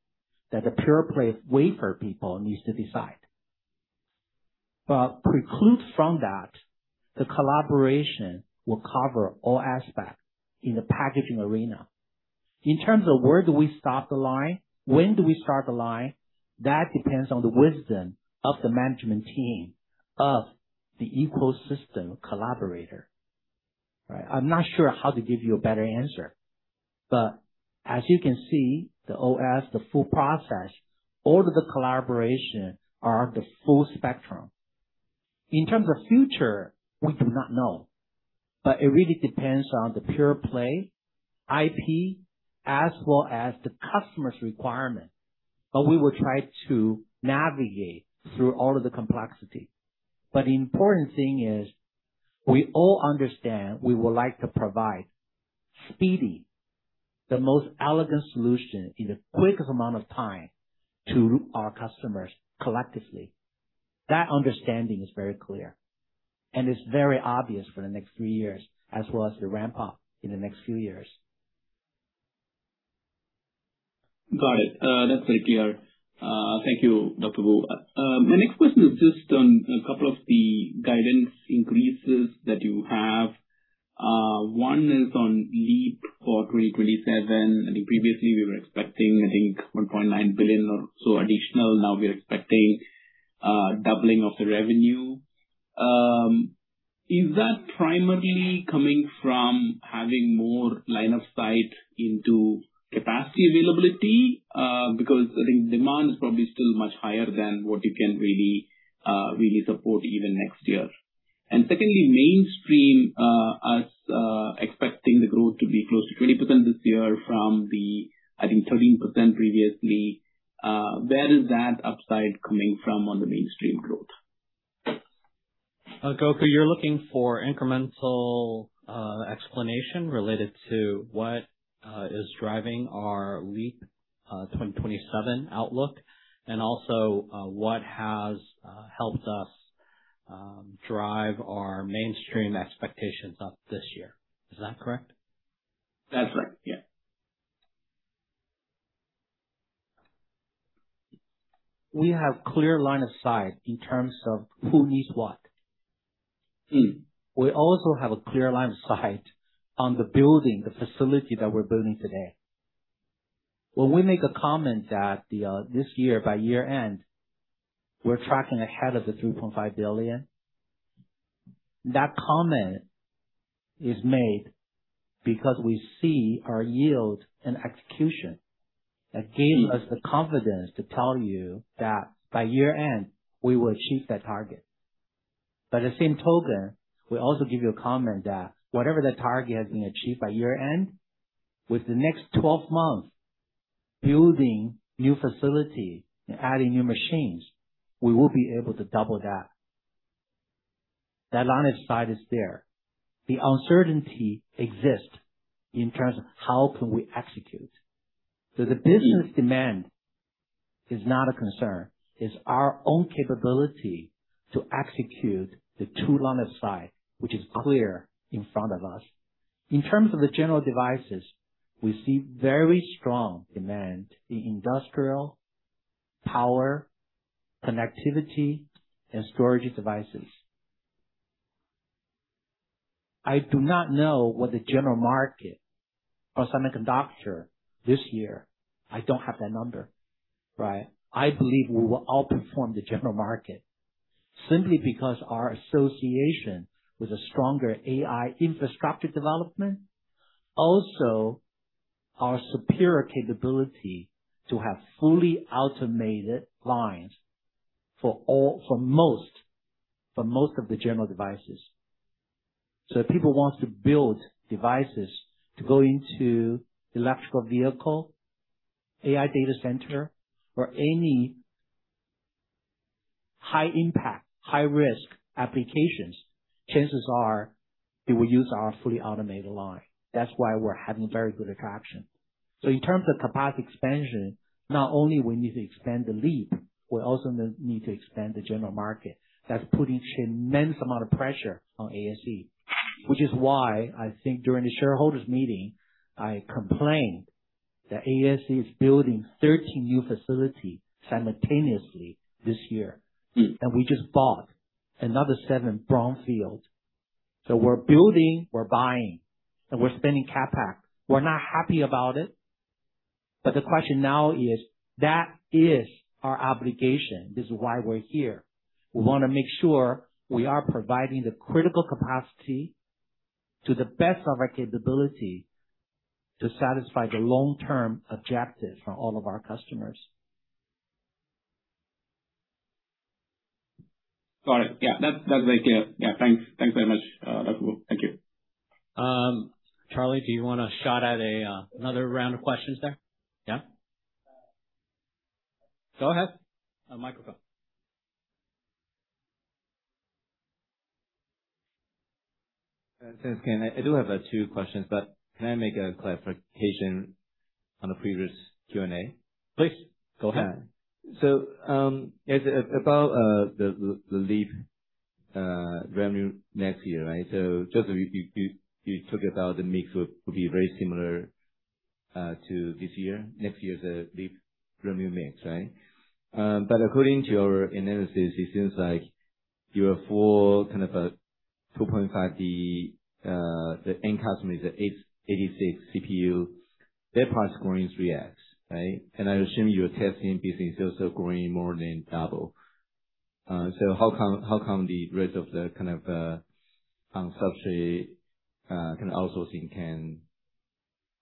that the pure-play wafer people needs to decide. Precludes from that, the collaboration will cover all aspects in the packaging arena. In terms of where do we stop the line, when do we start the line, that depends on the wisdom of the management team, of the ecosystem collaborator. I'm not sure how to give you a better answer. As you can see, the OS, the full process, all of the collaboration are the full spectrum. In terms of future, we do not know. It really depends on the pure-play IP as well as the customer's requirement. We will try to navigate through all of the complexity. The important thing is we all understand we would like to provide speedy, the most elegant solution in the quickest amount of time to our customers collectively. That understanding is very clear, and it's very obvious for the next 3 years as well as the ramp-up in the next few years. Got it. That's very clear. Thank you, Dr. Wu. My next question is just on a couple of the guidance increases that you have. One is on LEAP for 2027. I think previously we were expecting, I think, 1.9 billion or so additional. Now we are expecting doubling of the revenue. Is that primarily coming from having more line of sight into capacity availability? Because I think demand is probably still much higher than what you can really support even next year. Secondly, mainstream, us expecting the growth to be close to 20% this year from the, I think, 13% previously. Where is that upside coming from on the mainstream growth? Gokul, you're looking for incremental explanation related to what is driving our LEAP 2027 outlook, also what has helped us drive our mainstream expectations up this year. Is that correct? That's right. Yeah. We have clear line of sight in terms of who needs what. We also have a clear line of sight on the building, the facility that we're building today. When we make a comment that this year, by year end, we're tracking ahead of the 3.5 billion, that comment is made because we see our yield and execution. That gave us the confidence to tell you that by year end, we will achieve that target. By the same token, we also give you a comment that whatever the target has been achieved by year end, with the next 12 months building new facility and adding new machines, we will be able to double that. That line of sight is there. The uncertainty exists in terms of how can we execute. The business demand is not a concern. It's our own capability to execute the two line of sight, which is clear in front of us. In terms of the general devices, we see very strong demand in industrial, power, connectivity, and storage devices. I do not know what the general market of semiconductor this year, I don't have that number. I believe we will outperform the general market simply because our association with a stronger AI infrastructure development, also our superior capability to have fully automated lines for most of the general devices. If people want to build devices to go into electrical vehicle, AI data center, or any high impact, high risk applications, chances are they will use our fully automated line. That's why we're having very good attraction. In terms of capacity expansion, not only we need to expand the LEAP, we also need to expand the general market. That's putting immense amount of pressure on ASE. Which is why I think during the shareholders meeting, I complained that ASE is building 13 new facility simultaneously this year. We just bought another seven brownfields. We're building, we're buying, and we're spending CapEx. We're not happy about it. The question now is, that is our obligation. This is why we're here. We want to make sure we are providing the critical capacity to the best of our capability to satisfy the long-term objectives for all of our customers. Got it, that is very clear. Yeah, thanks very much, Dr. Wu. Charlie, do you want a shot at another round of questions there? Yeah? Go ahead on the microphone. Thanks, Ken. I do have two questions. Can I make a clarification on the previous Q&A? Please, go ahead. About the LEAP revenue next year. You talked about the mix would be very similar to this year, next year's LEAP revenue mix, right? According to your analysis, it seems like your full kind of a 2.5D, the end customer is the x86 CPU. Their price growing is 3x, right? I assume your testing business is also growing more than double. How come the rest of the substrate outsourcing can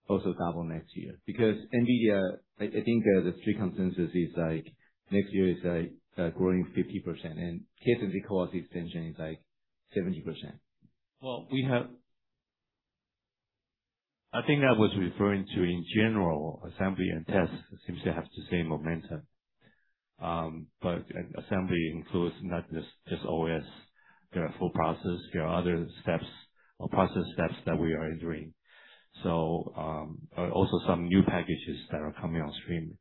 also double next year? NVIDIA, I think the street consensus is next year is growing 50%, and CoWoS extension is 70%. Well, we have- I think I was referring to in general, assembly and test seems to have the same momentum. Assembly includes not just OS. There are full process, there are other process steps that we are entering. Also some new packages that are coming on stream.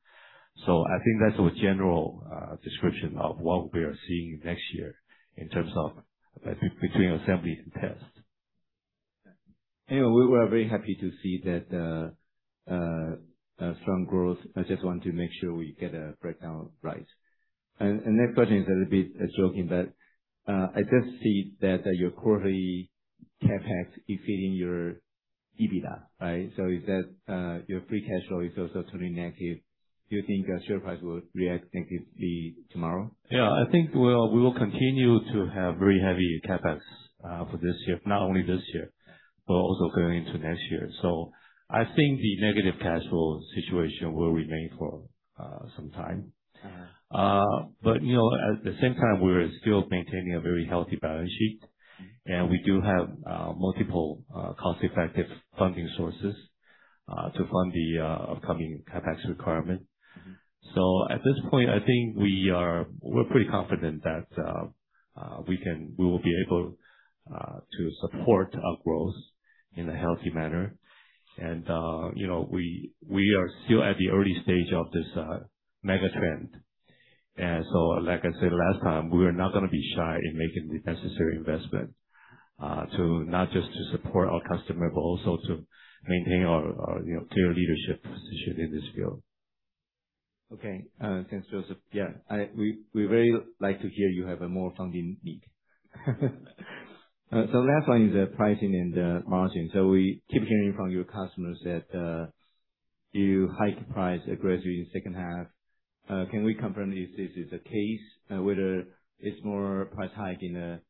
I think that's a general description of what we are seeing next year in terms of between assembly and test. Anyway, we were very happy to see that strong growth. I just want to make sure we get the breakdown right. Next question is a little bit of joking, I just see that your quarterly CapEx exceeding your EBITDA, right? Is that your free cash flow is also turning negative. Do you think that share price will react negatively tomorrow? I think we will continue to have very heavy CapEx for this year. Not only this year, but also going into next year. I think the negative cash flow situation will remain for some time. At the same time, we're still maintaining a very healthy balance sheet. We do have multiple cost-effective funding sources to fund the upcoming CapEx requirement. At this point, I think we're pretty confident that we will be able to support our growth in a healthy manner. We are still at the early stage of this mega trend. Like I said last time, we are not going to be shy in making the necessary investment, not just to support our customer, but also to maintain our clear leadership position in this field. Okay. Thanks, Joseph. We very like to hear you have a more funding need. Last one is the pricing and the margin. We keep hearing from your customers that, you hike price gradually in second half. Can we confirm if this is the case? Whether it's more price hike in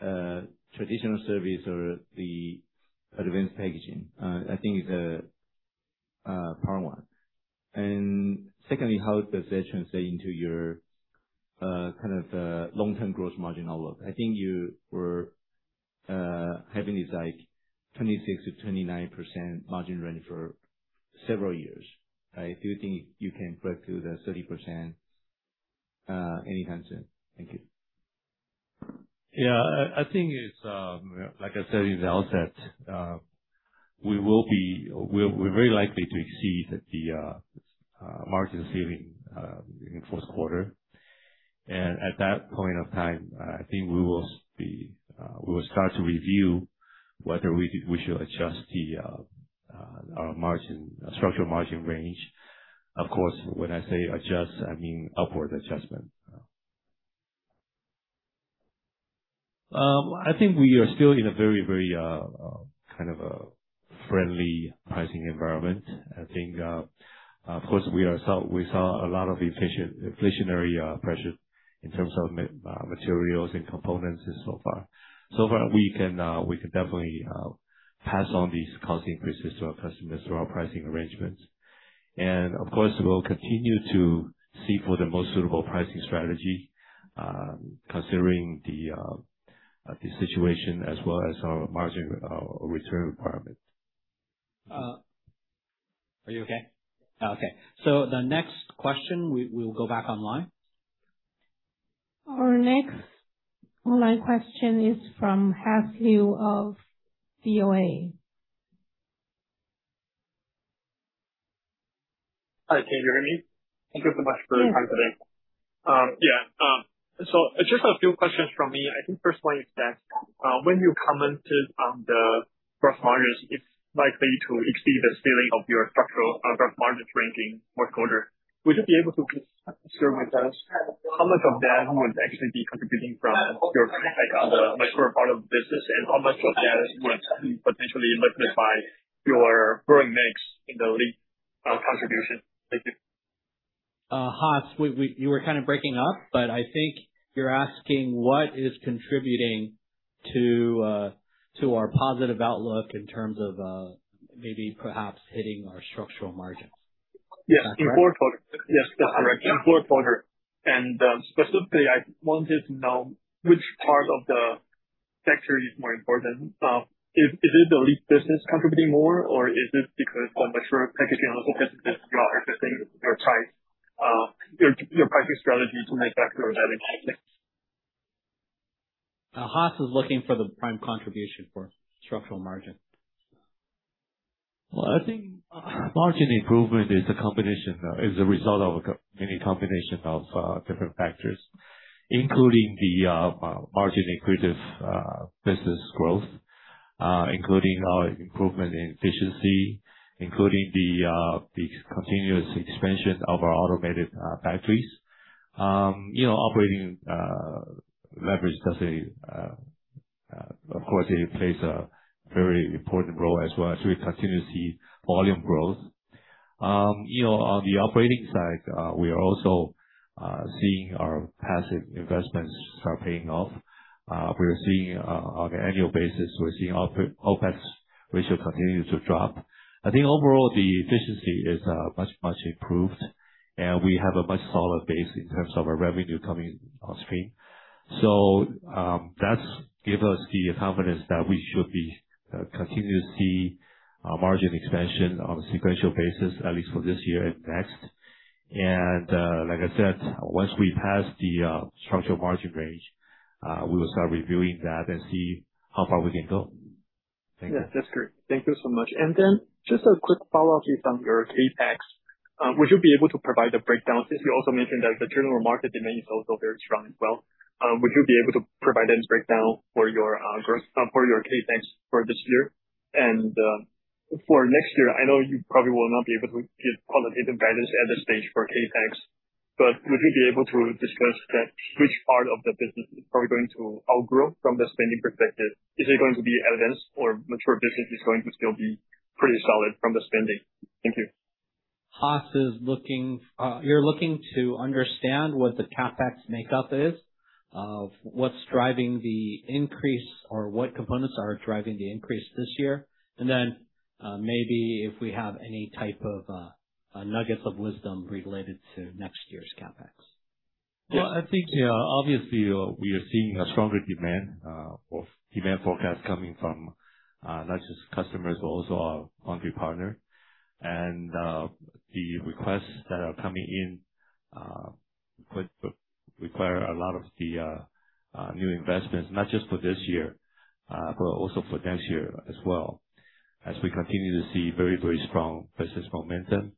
the traditional service or the advanced packaging? I think it's part one. Secondly, how does that translate into your long-term growth margin outlook? I think you were having this 26%-29% margin range for several years, right? Do you think you can break through the 30% any time soon? Thank you. Yeah, I think it's like I said in the outset, we're very likely to exceed the margin ceiling in the first quarter. At that point of time, I think we will start to review whether we should adjust our structural margin range. Of course, when I say adjust, I mean upward adjustment. I think we are still in a very, very kind of a friendly pricing environment. I think, of course, we saw a lot of inflationary pressure in terms of materials and components so far. So far, we can definitely pass on these cost increases to our customers through our pricing arrangements. Of course, we'll continue to seek for the most suitable pricing strategy, considering the situation as well as our margin, our return requirement. Are you okay? Okay, the next question, we will go back online. Our next online question is from Haas Liu of Bank of America. Hi, can you hear me? Thank you so much for the time today. Just a few questions from me. I think first one is that, when you commented on the gross margins, it's likely to exceed the ceiling of your structural gross margins range in fourth quarter. Would you be able to share with us how much of that would actually be contributing from your perspective on the mature part of the business, and how much of that would potentially be lifted by your growing mix in the LEAP contribution? Thank you. Haas, you were kind of breaking up, but I think you are asking what is contributing to our positive outlook in terms of maybe perhaps hitting our structural margins. Is that correct? Yes, that is correct. In fourth quarter. Specifically, I wanted to know which part of the sector is more important. Is it the LEAP business contributing more, or is it because of mature packaging business you are adjusting your pricing strategy to make that grow dynamically? Haas is looking for the prime contribution for structural margin. Well, I think margin improvement is a result of many combinations of different factors, including the margin accretive business growth. Including our improvement in efficiency. Including the continuous expansion of our automated factories. Operating leverage, of course, it plays a very important role as well. We continue to see volume growth. On the operating side, we are also seeing our passive investments start paying off. On an annual basis, we are seeing our OpEx ratio continue to drop. I think overall, the efficiency is much, much improved. We have a much solid base in terms of our revenue coming on stream. That gives us the confidence that we should be continue to see our margin expansion on a sequential basis, at least for this year and next. Like I said, once we pass the structural margin range, we will start reviewing that and see how far we can go. Thank you. Yeah, that's great. Thank you so much. Just a quick follow-up here from your CapEx. Would you be able to provide a breakdown, since you also mentioned that the general market demand is also very strong as well. Would you be able to provide a breakdown for your CapEx for this year and for next year? I know you probably will not be able to give qualitative guidance at this stage for CapEx, but would you be able to discuss that which part of the business is probably going to outgrow from the spending perspective? Is it going to be advanced or mature business is going to still be pretty solid from the spending? Thank you. Haas, you're looking to understand what the CapEx makeup is, what's driving the increase or what components are driving the increase this year. Maybe if we have any type of nuggets of wisdom related to next year's CapEx. Well, I think obviously, we are seeing a stronger demand forecast coming from not just customers, but also our foundry partner. The requests that are coming in require a lot of the new investments, not just for this year, but also for next year as well. As we continue to see very, very strong business momentum,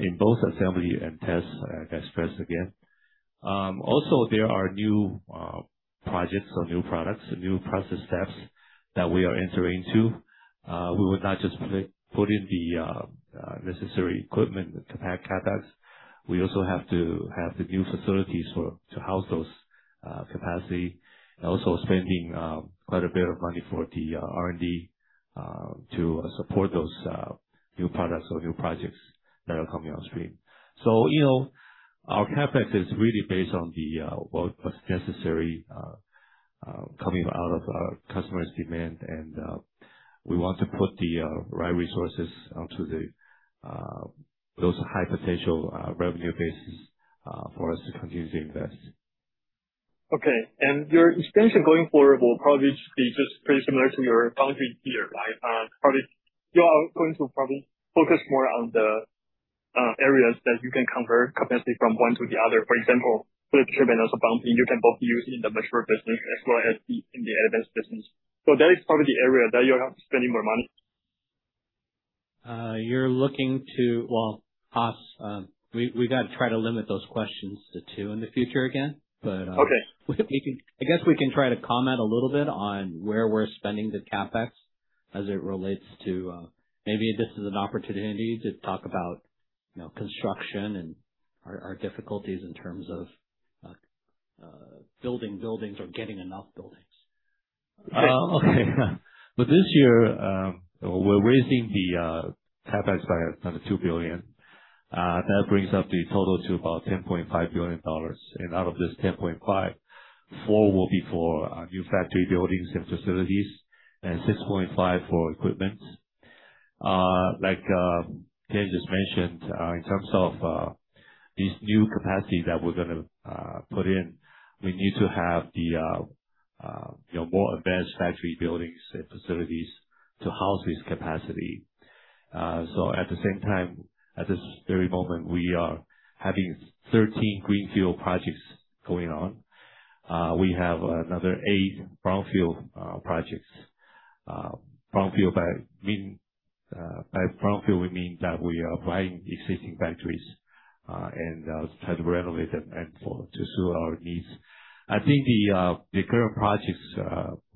in both assembly and test, as stressed again. Also, there are new projects or new products, new process steps that we are entering into. We would not just put in the necessary equipment to cut CapEx. We also have to have the new facilities to house those capacity, also spending quite a bit of money for the R&D to support those new products or new projects that are coming on stream. Our CapEx is really based on what's necessary coming out of our customer's demand, and we want to put the right resources onto those high potential revenue bases for us to continue to invest. Okay. Your expansion going forward will probably be just pretty similar to your foundry year, right? You are going to probably focus more on the areas that you can convert capacity from one to the other. For example, for the chip and also bonding, you can both use in the mature business as well as in the advanced business. That is probably the area that you'll have to spending more money. Haas, we got to try to limit those questions to two in the future again, but I guess we can try to comment a little bit on where we're spending the CapEx as it relates to Maybe this is an opportunity to talk about construction and our difficulties in terms of building buildings or getting enough buildings. Okay. For this year, we're raising the CapEx by another 2 billion. That brings up the total to about 10.5 billion dollars. Out of this 10.5 billion, 4 billion will be for new factory buildings and facilities and 6.5 billion for equipment. Like Ken just mentioned, in terms of these new capacities that we're gonna put in, we need to have the more advanced factory buildings and facilities to house this capacity. At the same time, at this very moment, we are having 13 greenfield projects going on. We have another eight brownfield projects. By brownfield, we mean that we are buying existing factories and try to renovate them to suit our needs. I think the current projects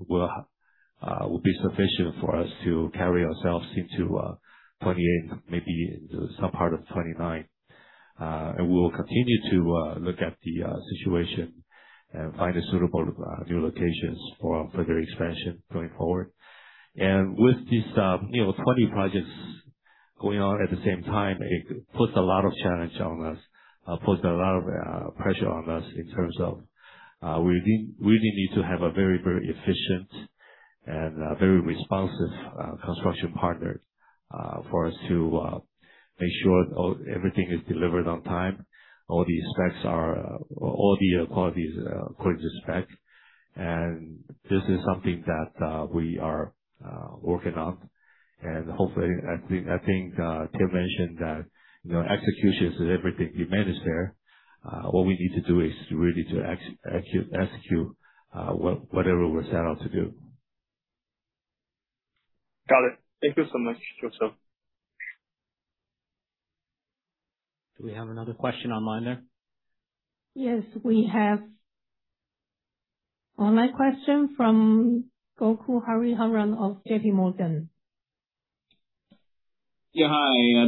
will be sufficient for us to carry ourselves into 2028, maybe into some part of 2029. We'll continue to look at the situation and find suitable new locations for further expansion going forward. With these 20 projects going on at the same time, it puts a lot of challenge on us, puts a lot of pressure on us in terms of we really need to have a very, very efficient and very responsive construction partner for us to make sure everything is delivered on time, all the quality is according to spec. This is something that we are working on, and hopefully, I think Ken mentioned that execution is everything. We manage there. All we need to do is really to execute whatever we set out to do. Got it. Thank you so much. Do we have another question online there? Yes. We have online question from Gokul Hariharan of JPMorgan.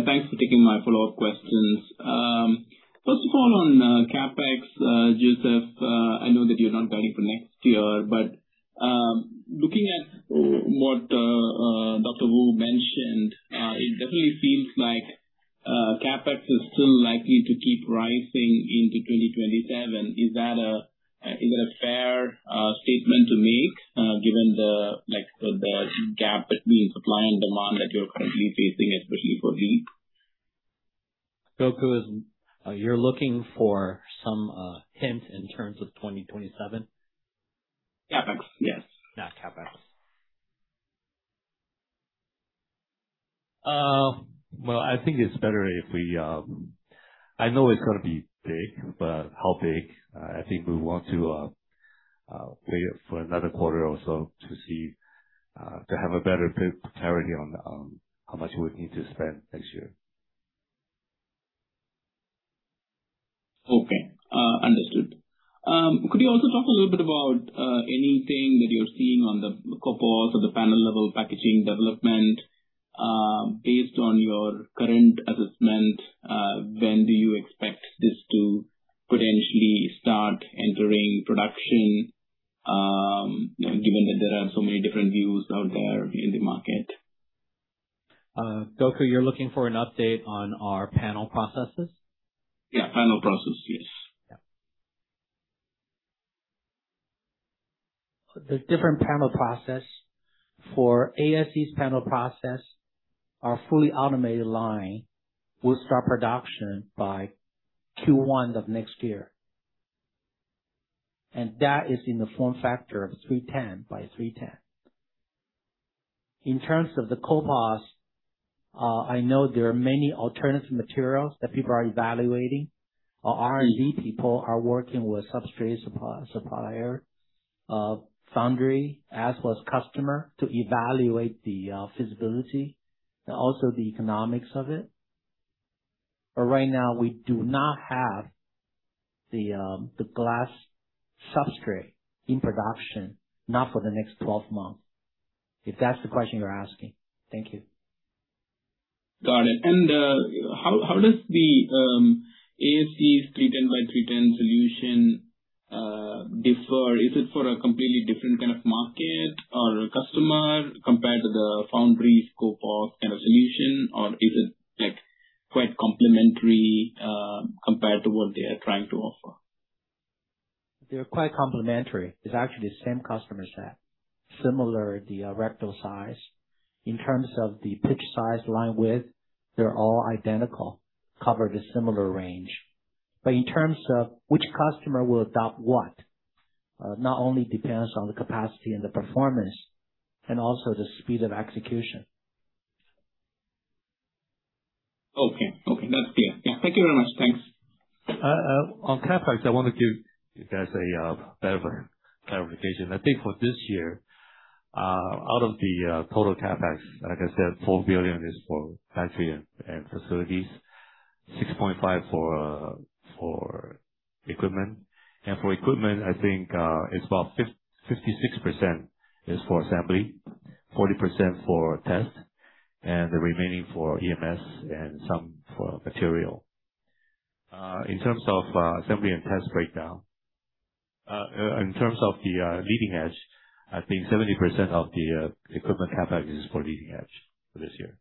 Thanks for taking my follow-up questions. First of all, on CapEx, Joseph, I know that you're not guiding for next year, but, looking at what Dr. Wu mentioned, it definitely seems like CapEx is still likely to keep rising into 2027. Is that a fair statement to make, given the gap between supply and demand that you're currently facing? Gokul, you're looking for some hint in terms of 2027? CapEx, yes. Yeah. CapEx. Well, I think it's better if we I know it's going to be big, but how big? I think we want to wait for another quarter or so to have a better clarity on how much we need to spend next year. Okay, understood. Could you also talk a little bit about anything that you're seeing on the CoWoS or the Panel-Level Packaging development? Based on your current assessment, when do you expect this to potentially start entering production, given that there are so many different views out there in the market? Gokul, you're looking for an update on our panel processes? Yeah, panel process. Yes. Yeah. The different panel process. For ASE's panel process, our fully automated line will start production by Q1 of next year. That is in the form factor of 310 mm x 310 mm. In terms of the CoWoS, I know there are many alternative materials that people are evaluating. Our R&D people are working with substrate supplier, Foundry, as well as customer, to evaluate the feasibility and also the economics of it. Right now, we do not have the glass substrate in production, not for the next 12 months, if that's the question you're asking. Thank you. Got it. How does the ASE's 310 mm x 310 mm solution differ? Is it for a completely different kind of market or a customer compared to the Foundry CoWoS kind of solution? Is it quite complementary compared to what they are trying to offer? They're quite complementary. It's actually the same customer set. Similar, the reticle size. In terms of the pitch size line width, they're all identical, cover the similar range. In terms of which customer will adopt what, not only depends on the capacity and the performance and also the speed of execution. Okay. That is clear, thank you very much. On CapEx, I want to give you guys a better clarification. I think for this year, out of the total CapEx, like I said, $4 billion is for factory and facilities, $6.5 billion for equipment. For equipment, I think it is about 56% is for assembly, 40% for test, and the remaining for EMS and some for material. In terms of assembly and test breakdown, in terms of the leading edge, I think 70% of the equipment CapEx is for leading edge for this year.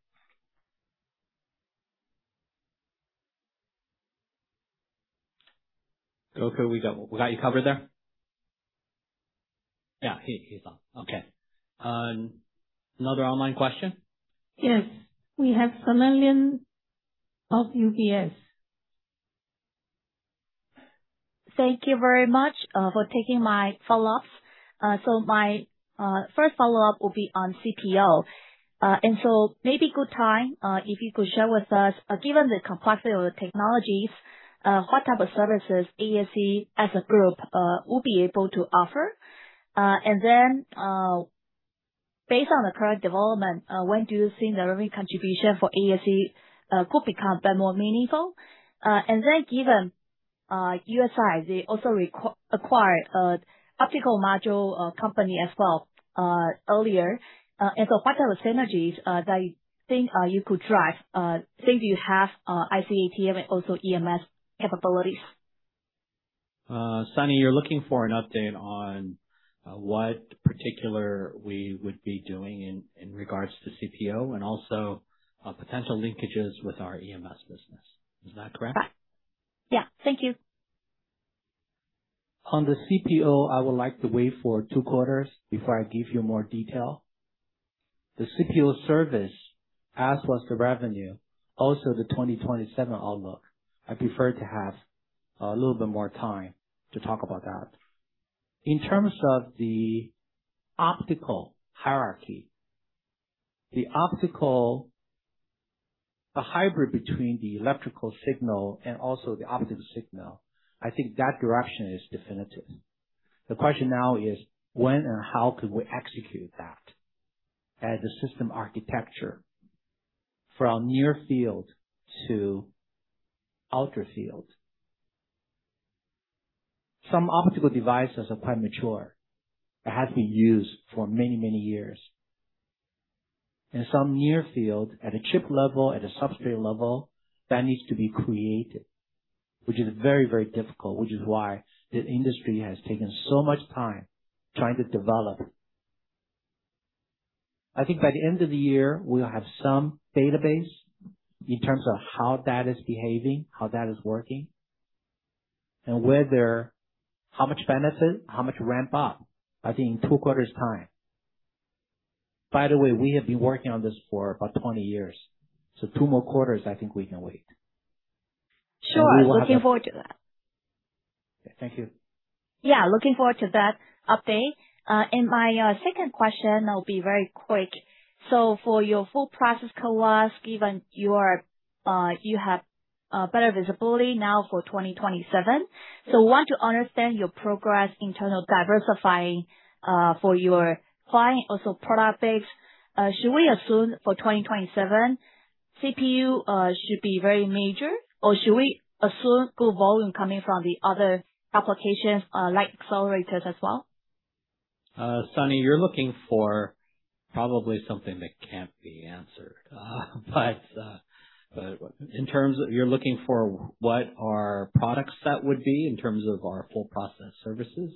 Gokul, we got you covered there? Yeah, he is on. Okay. Another online question? Yes. We have Sunny Lin of UBS. Thank you very much for taking my follow-ups. My first follow-up will be on CPO. Maybe good time, if you could share with us, given the complexity of the technologies, what type of services ASE as a group will be able to offer? Based on the current development, when do you see the revenue contribution for ASE could become more meaningful? Given USI, they also acquired an optical module company as well earlier. What are the synergies that you think you could drive since you have ICAT and also EMS capabilities? Sunny, you're looking for an update on what particular we would be doing in regards to CPO and also potential linkages with our EMS business. Is that correct? Right. Yeah, thank you. On the CPO, I would like to wait for two quarters before I give you more detail. The CPO service as well as the revenue, also the 2027 outlook, I prefer to have a little bit more time to talk about that. In terms of the optical hierarchy, the optical hybrid between the electrical signal and also the optical signal, I think that direction is definitive. The question now is when and how could we execute that? As a system architecture from near field to outer field. Some optical devices are quite mature. They have been used for many years. In some near field, at a chip level, at a substrate level, that needs to be created, which is very difficult, which is why the industry has taken so much time trying to develop. I think by the end of the year, we'll have some database in terms of how that is behaving, how that is working, and whether how much benefit, how much ramp up, I think in two quarters time. By the way, we have been working on this for about 20 years, so two more quarters, I think we can wait. Sure. Looking forward to that. Thank you. Yeah, looking forward to that update. My second question, I'll be very quick. For your full process CoWoS, given you have better visibility now for 2027. I want to understand your progress in terms of diversifying for your client, also product base. Should we assume for 2027, CPU should be very major, or should we assume good volume coming from the other applications, like accelerators as well? Sunny, you're looking for probably something that can't be answered. In terms of you're looking for what our product set would be in terms of our full process services.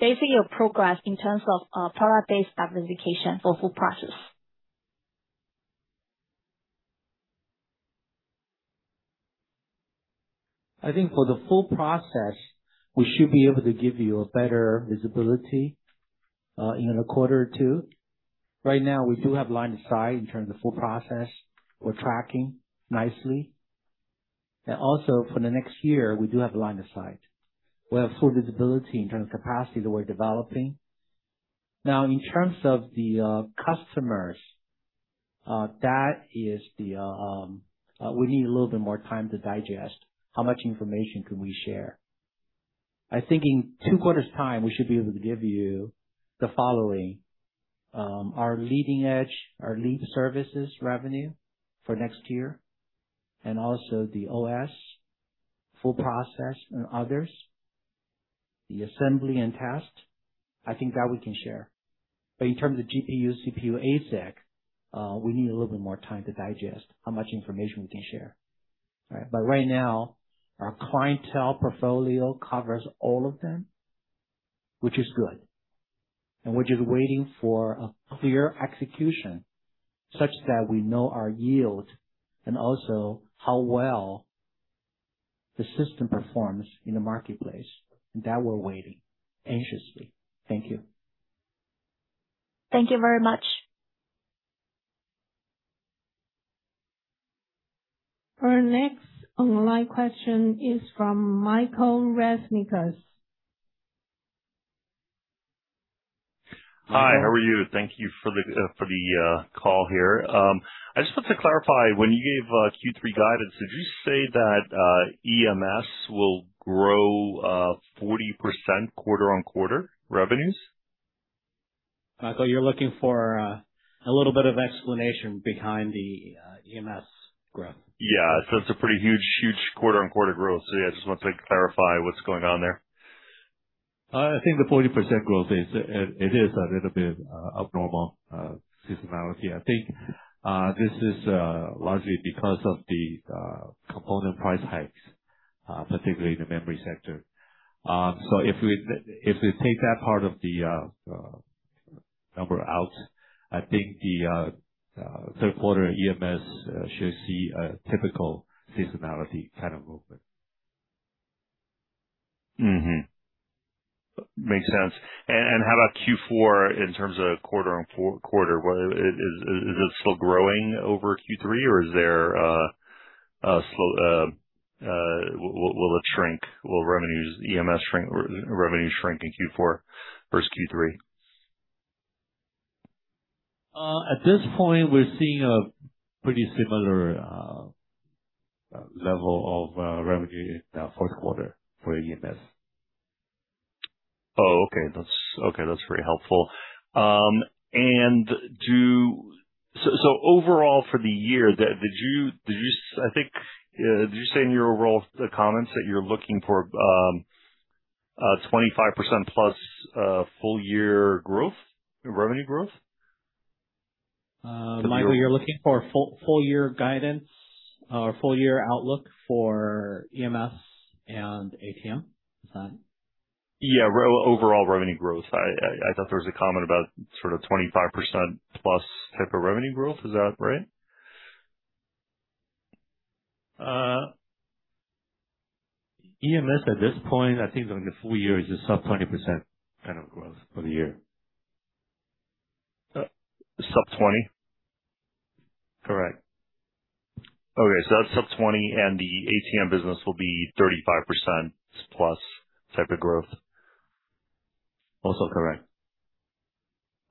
Basically, your progress in terms of product-based diversification for full process. I think for the full process, we should be able to give you a better visibility in a quarter or two. Right now, we do have line of sight in terms of full process. We're tracking nicely. Also for the next year, we do have line of sight. We have full visibility in terms of capacity that we're developing. In terms of the customers, we need a little bit more time to digest how much information can we share. I think in two quarters time, we should be able to give you the following: our leading edge, our LEAP services revenue for next year, and also the OS full process and others, the assembly, and test. I think that we can share. In terms of GPU, CPU, ASIC, we need a little bit more time to digest how much information we can share. Right now, our clientele portfolio covers all of them, which is good. We're just waiting for a clear execution such that we know our yield and also how well the system performs in the marketplace. That we're waiting anxiously. Thank you. Thank you very much. Our next online question is from Michael Reznikas. Hi, how are you? Thank you for the call here. I just want to clarify, when you gave Q3 guidance, did you say that EMS will grow 40% quarter-on-quarter revenues? Michael, you're looking for a little bit of explanation behind the EMS growth. It's a pretty huge quarter-on-quarter growth. I just wanted to clarify what's going on there. I think the 40% growth, it is a little bit abnormal seasonality. I think this is largely because of the component price hikes, particularly in the memory sector. If we take that part of the number out, I think the third quarter EMS should see a typical seasonality kind of movement. Makes sense. How about Q4 in terms of quarter-on-quarter? Is it still growing over Q3 or will it shrink? Will EMS revenues shrink in Q4 versus Q3? At this point, we're seeing a pretty similar level of revenue in the fourth quarter for EMS. Okay. That's very helpful. Overall for the year, did you say in your overall comments that you're looking for 25%+ full-year revenue growth? Michael, you're looking for full-year guidance or full-year outlook for EMS and ATM? Is that it? Yeah. Overall revenue growth. I thought there was a comment about sort of 25%+ type of revenue growth. Is that right? EMS at this point, I think during the full-year is just sub-20% kind of growth for the year. Sub-20%? Correct. Okay. That's sub-20%, the ATM business will be 35%+ type of growth? Also correct.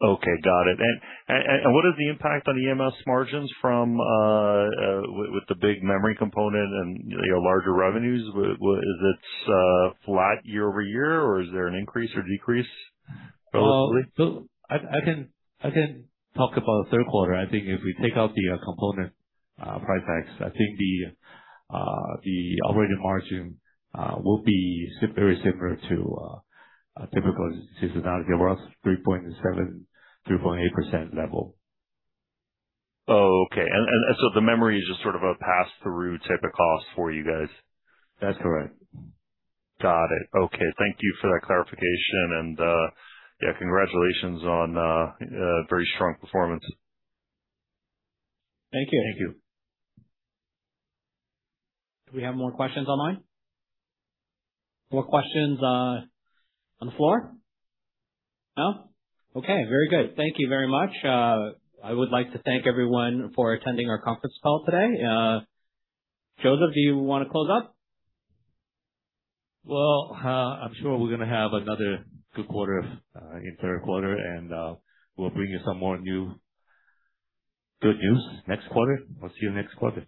Okay, got it. What is the impact on EMS margins with the big memory component and larger revenues? Is it flat year-over-year, or is there an increase or decrease relatively? I can talk about third quarter. I think if we take out the component price hikes, I think the operating margin will be very similar to a typical seasonality, around 3.7%, 3.8% level. Okay. The memory is just sort of a passthrough type of cost for you guys? That's correct. Got it. Okay, thank you for that clarification. Congratulations on a very strong performance. Thank you. Thank you. Do we have more questions online? More questions on the floor? No? Okay. Very good. Thank you very much. I would like to thank everyone for attending our conference call today. Joseph, do you want to close out? Well, I'm sure we're going to have another good quarter in third quarter, and we'll bring you some more new good news next quarter. We'll see you next quarter.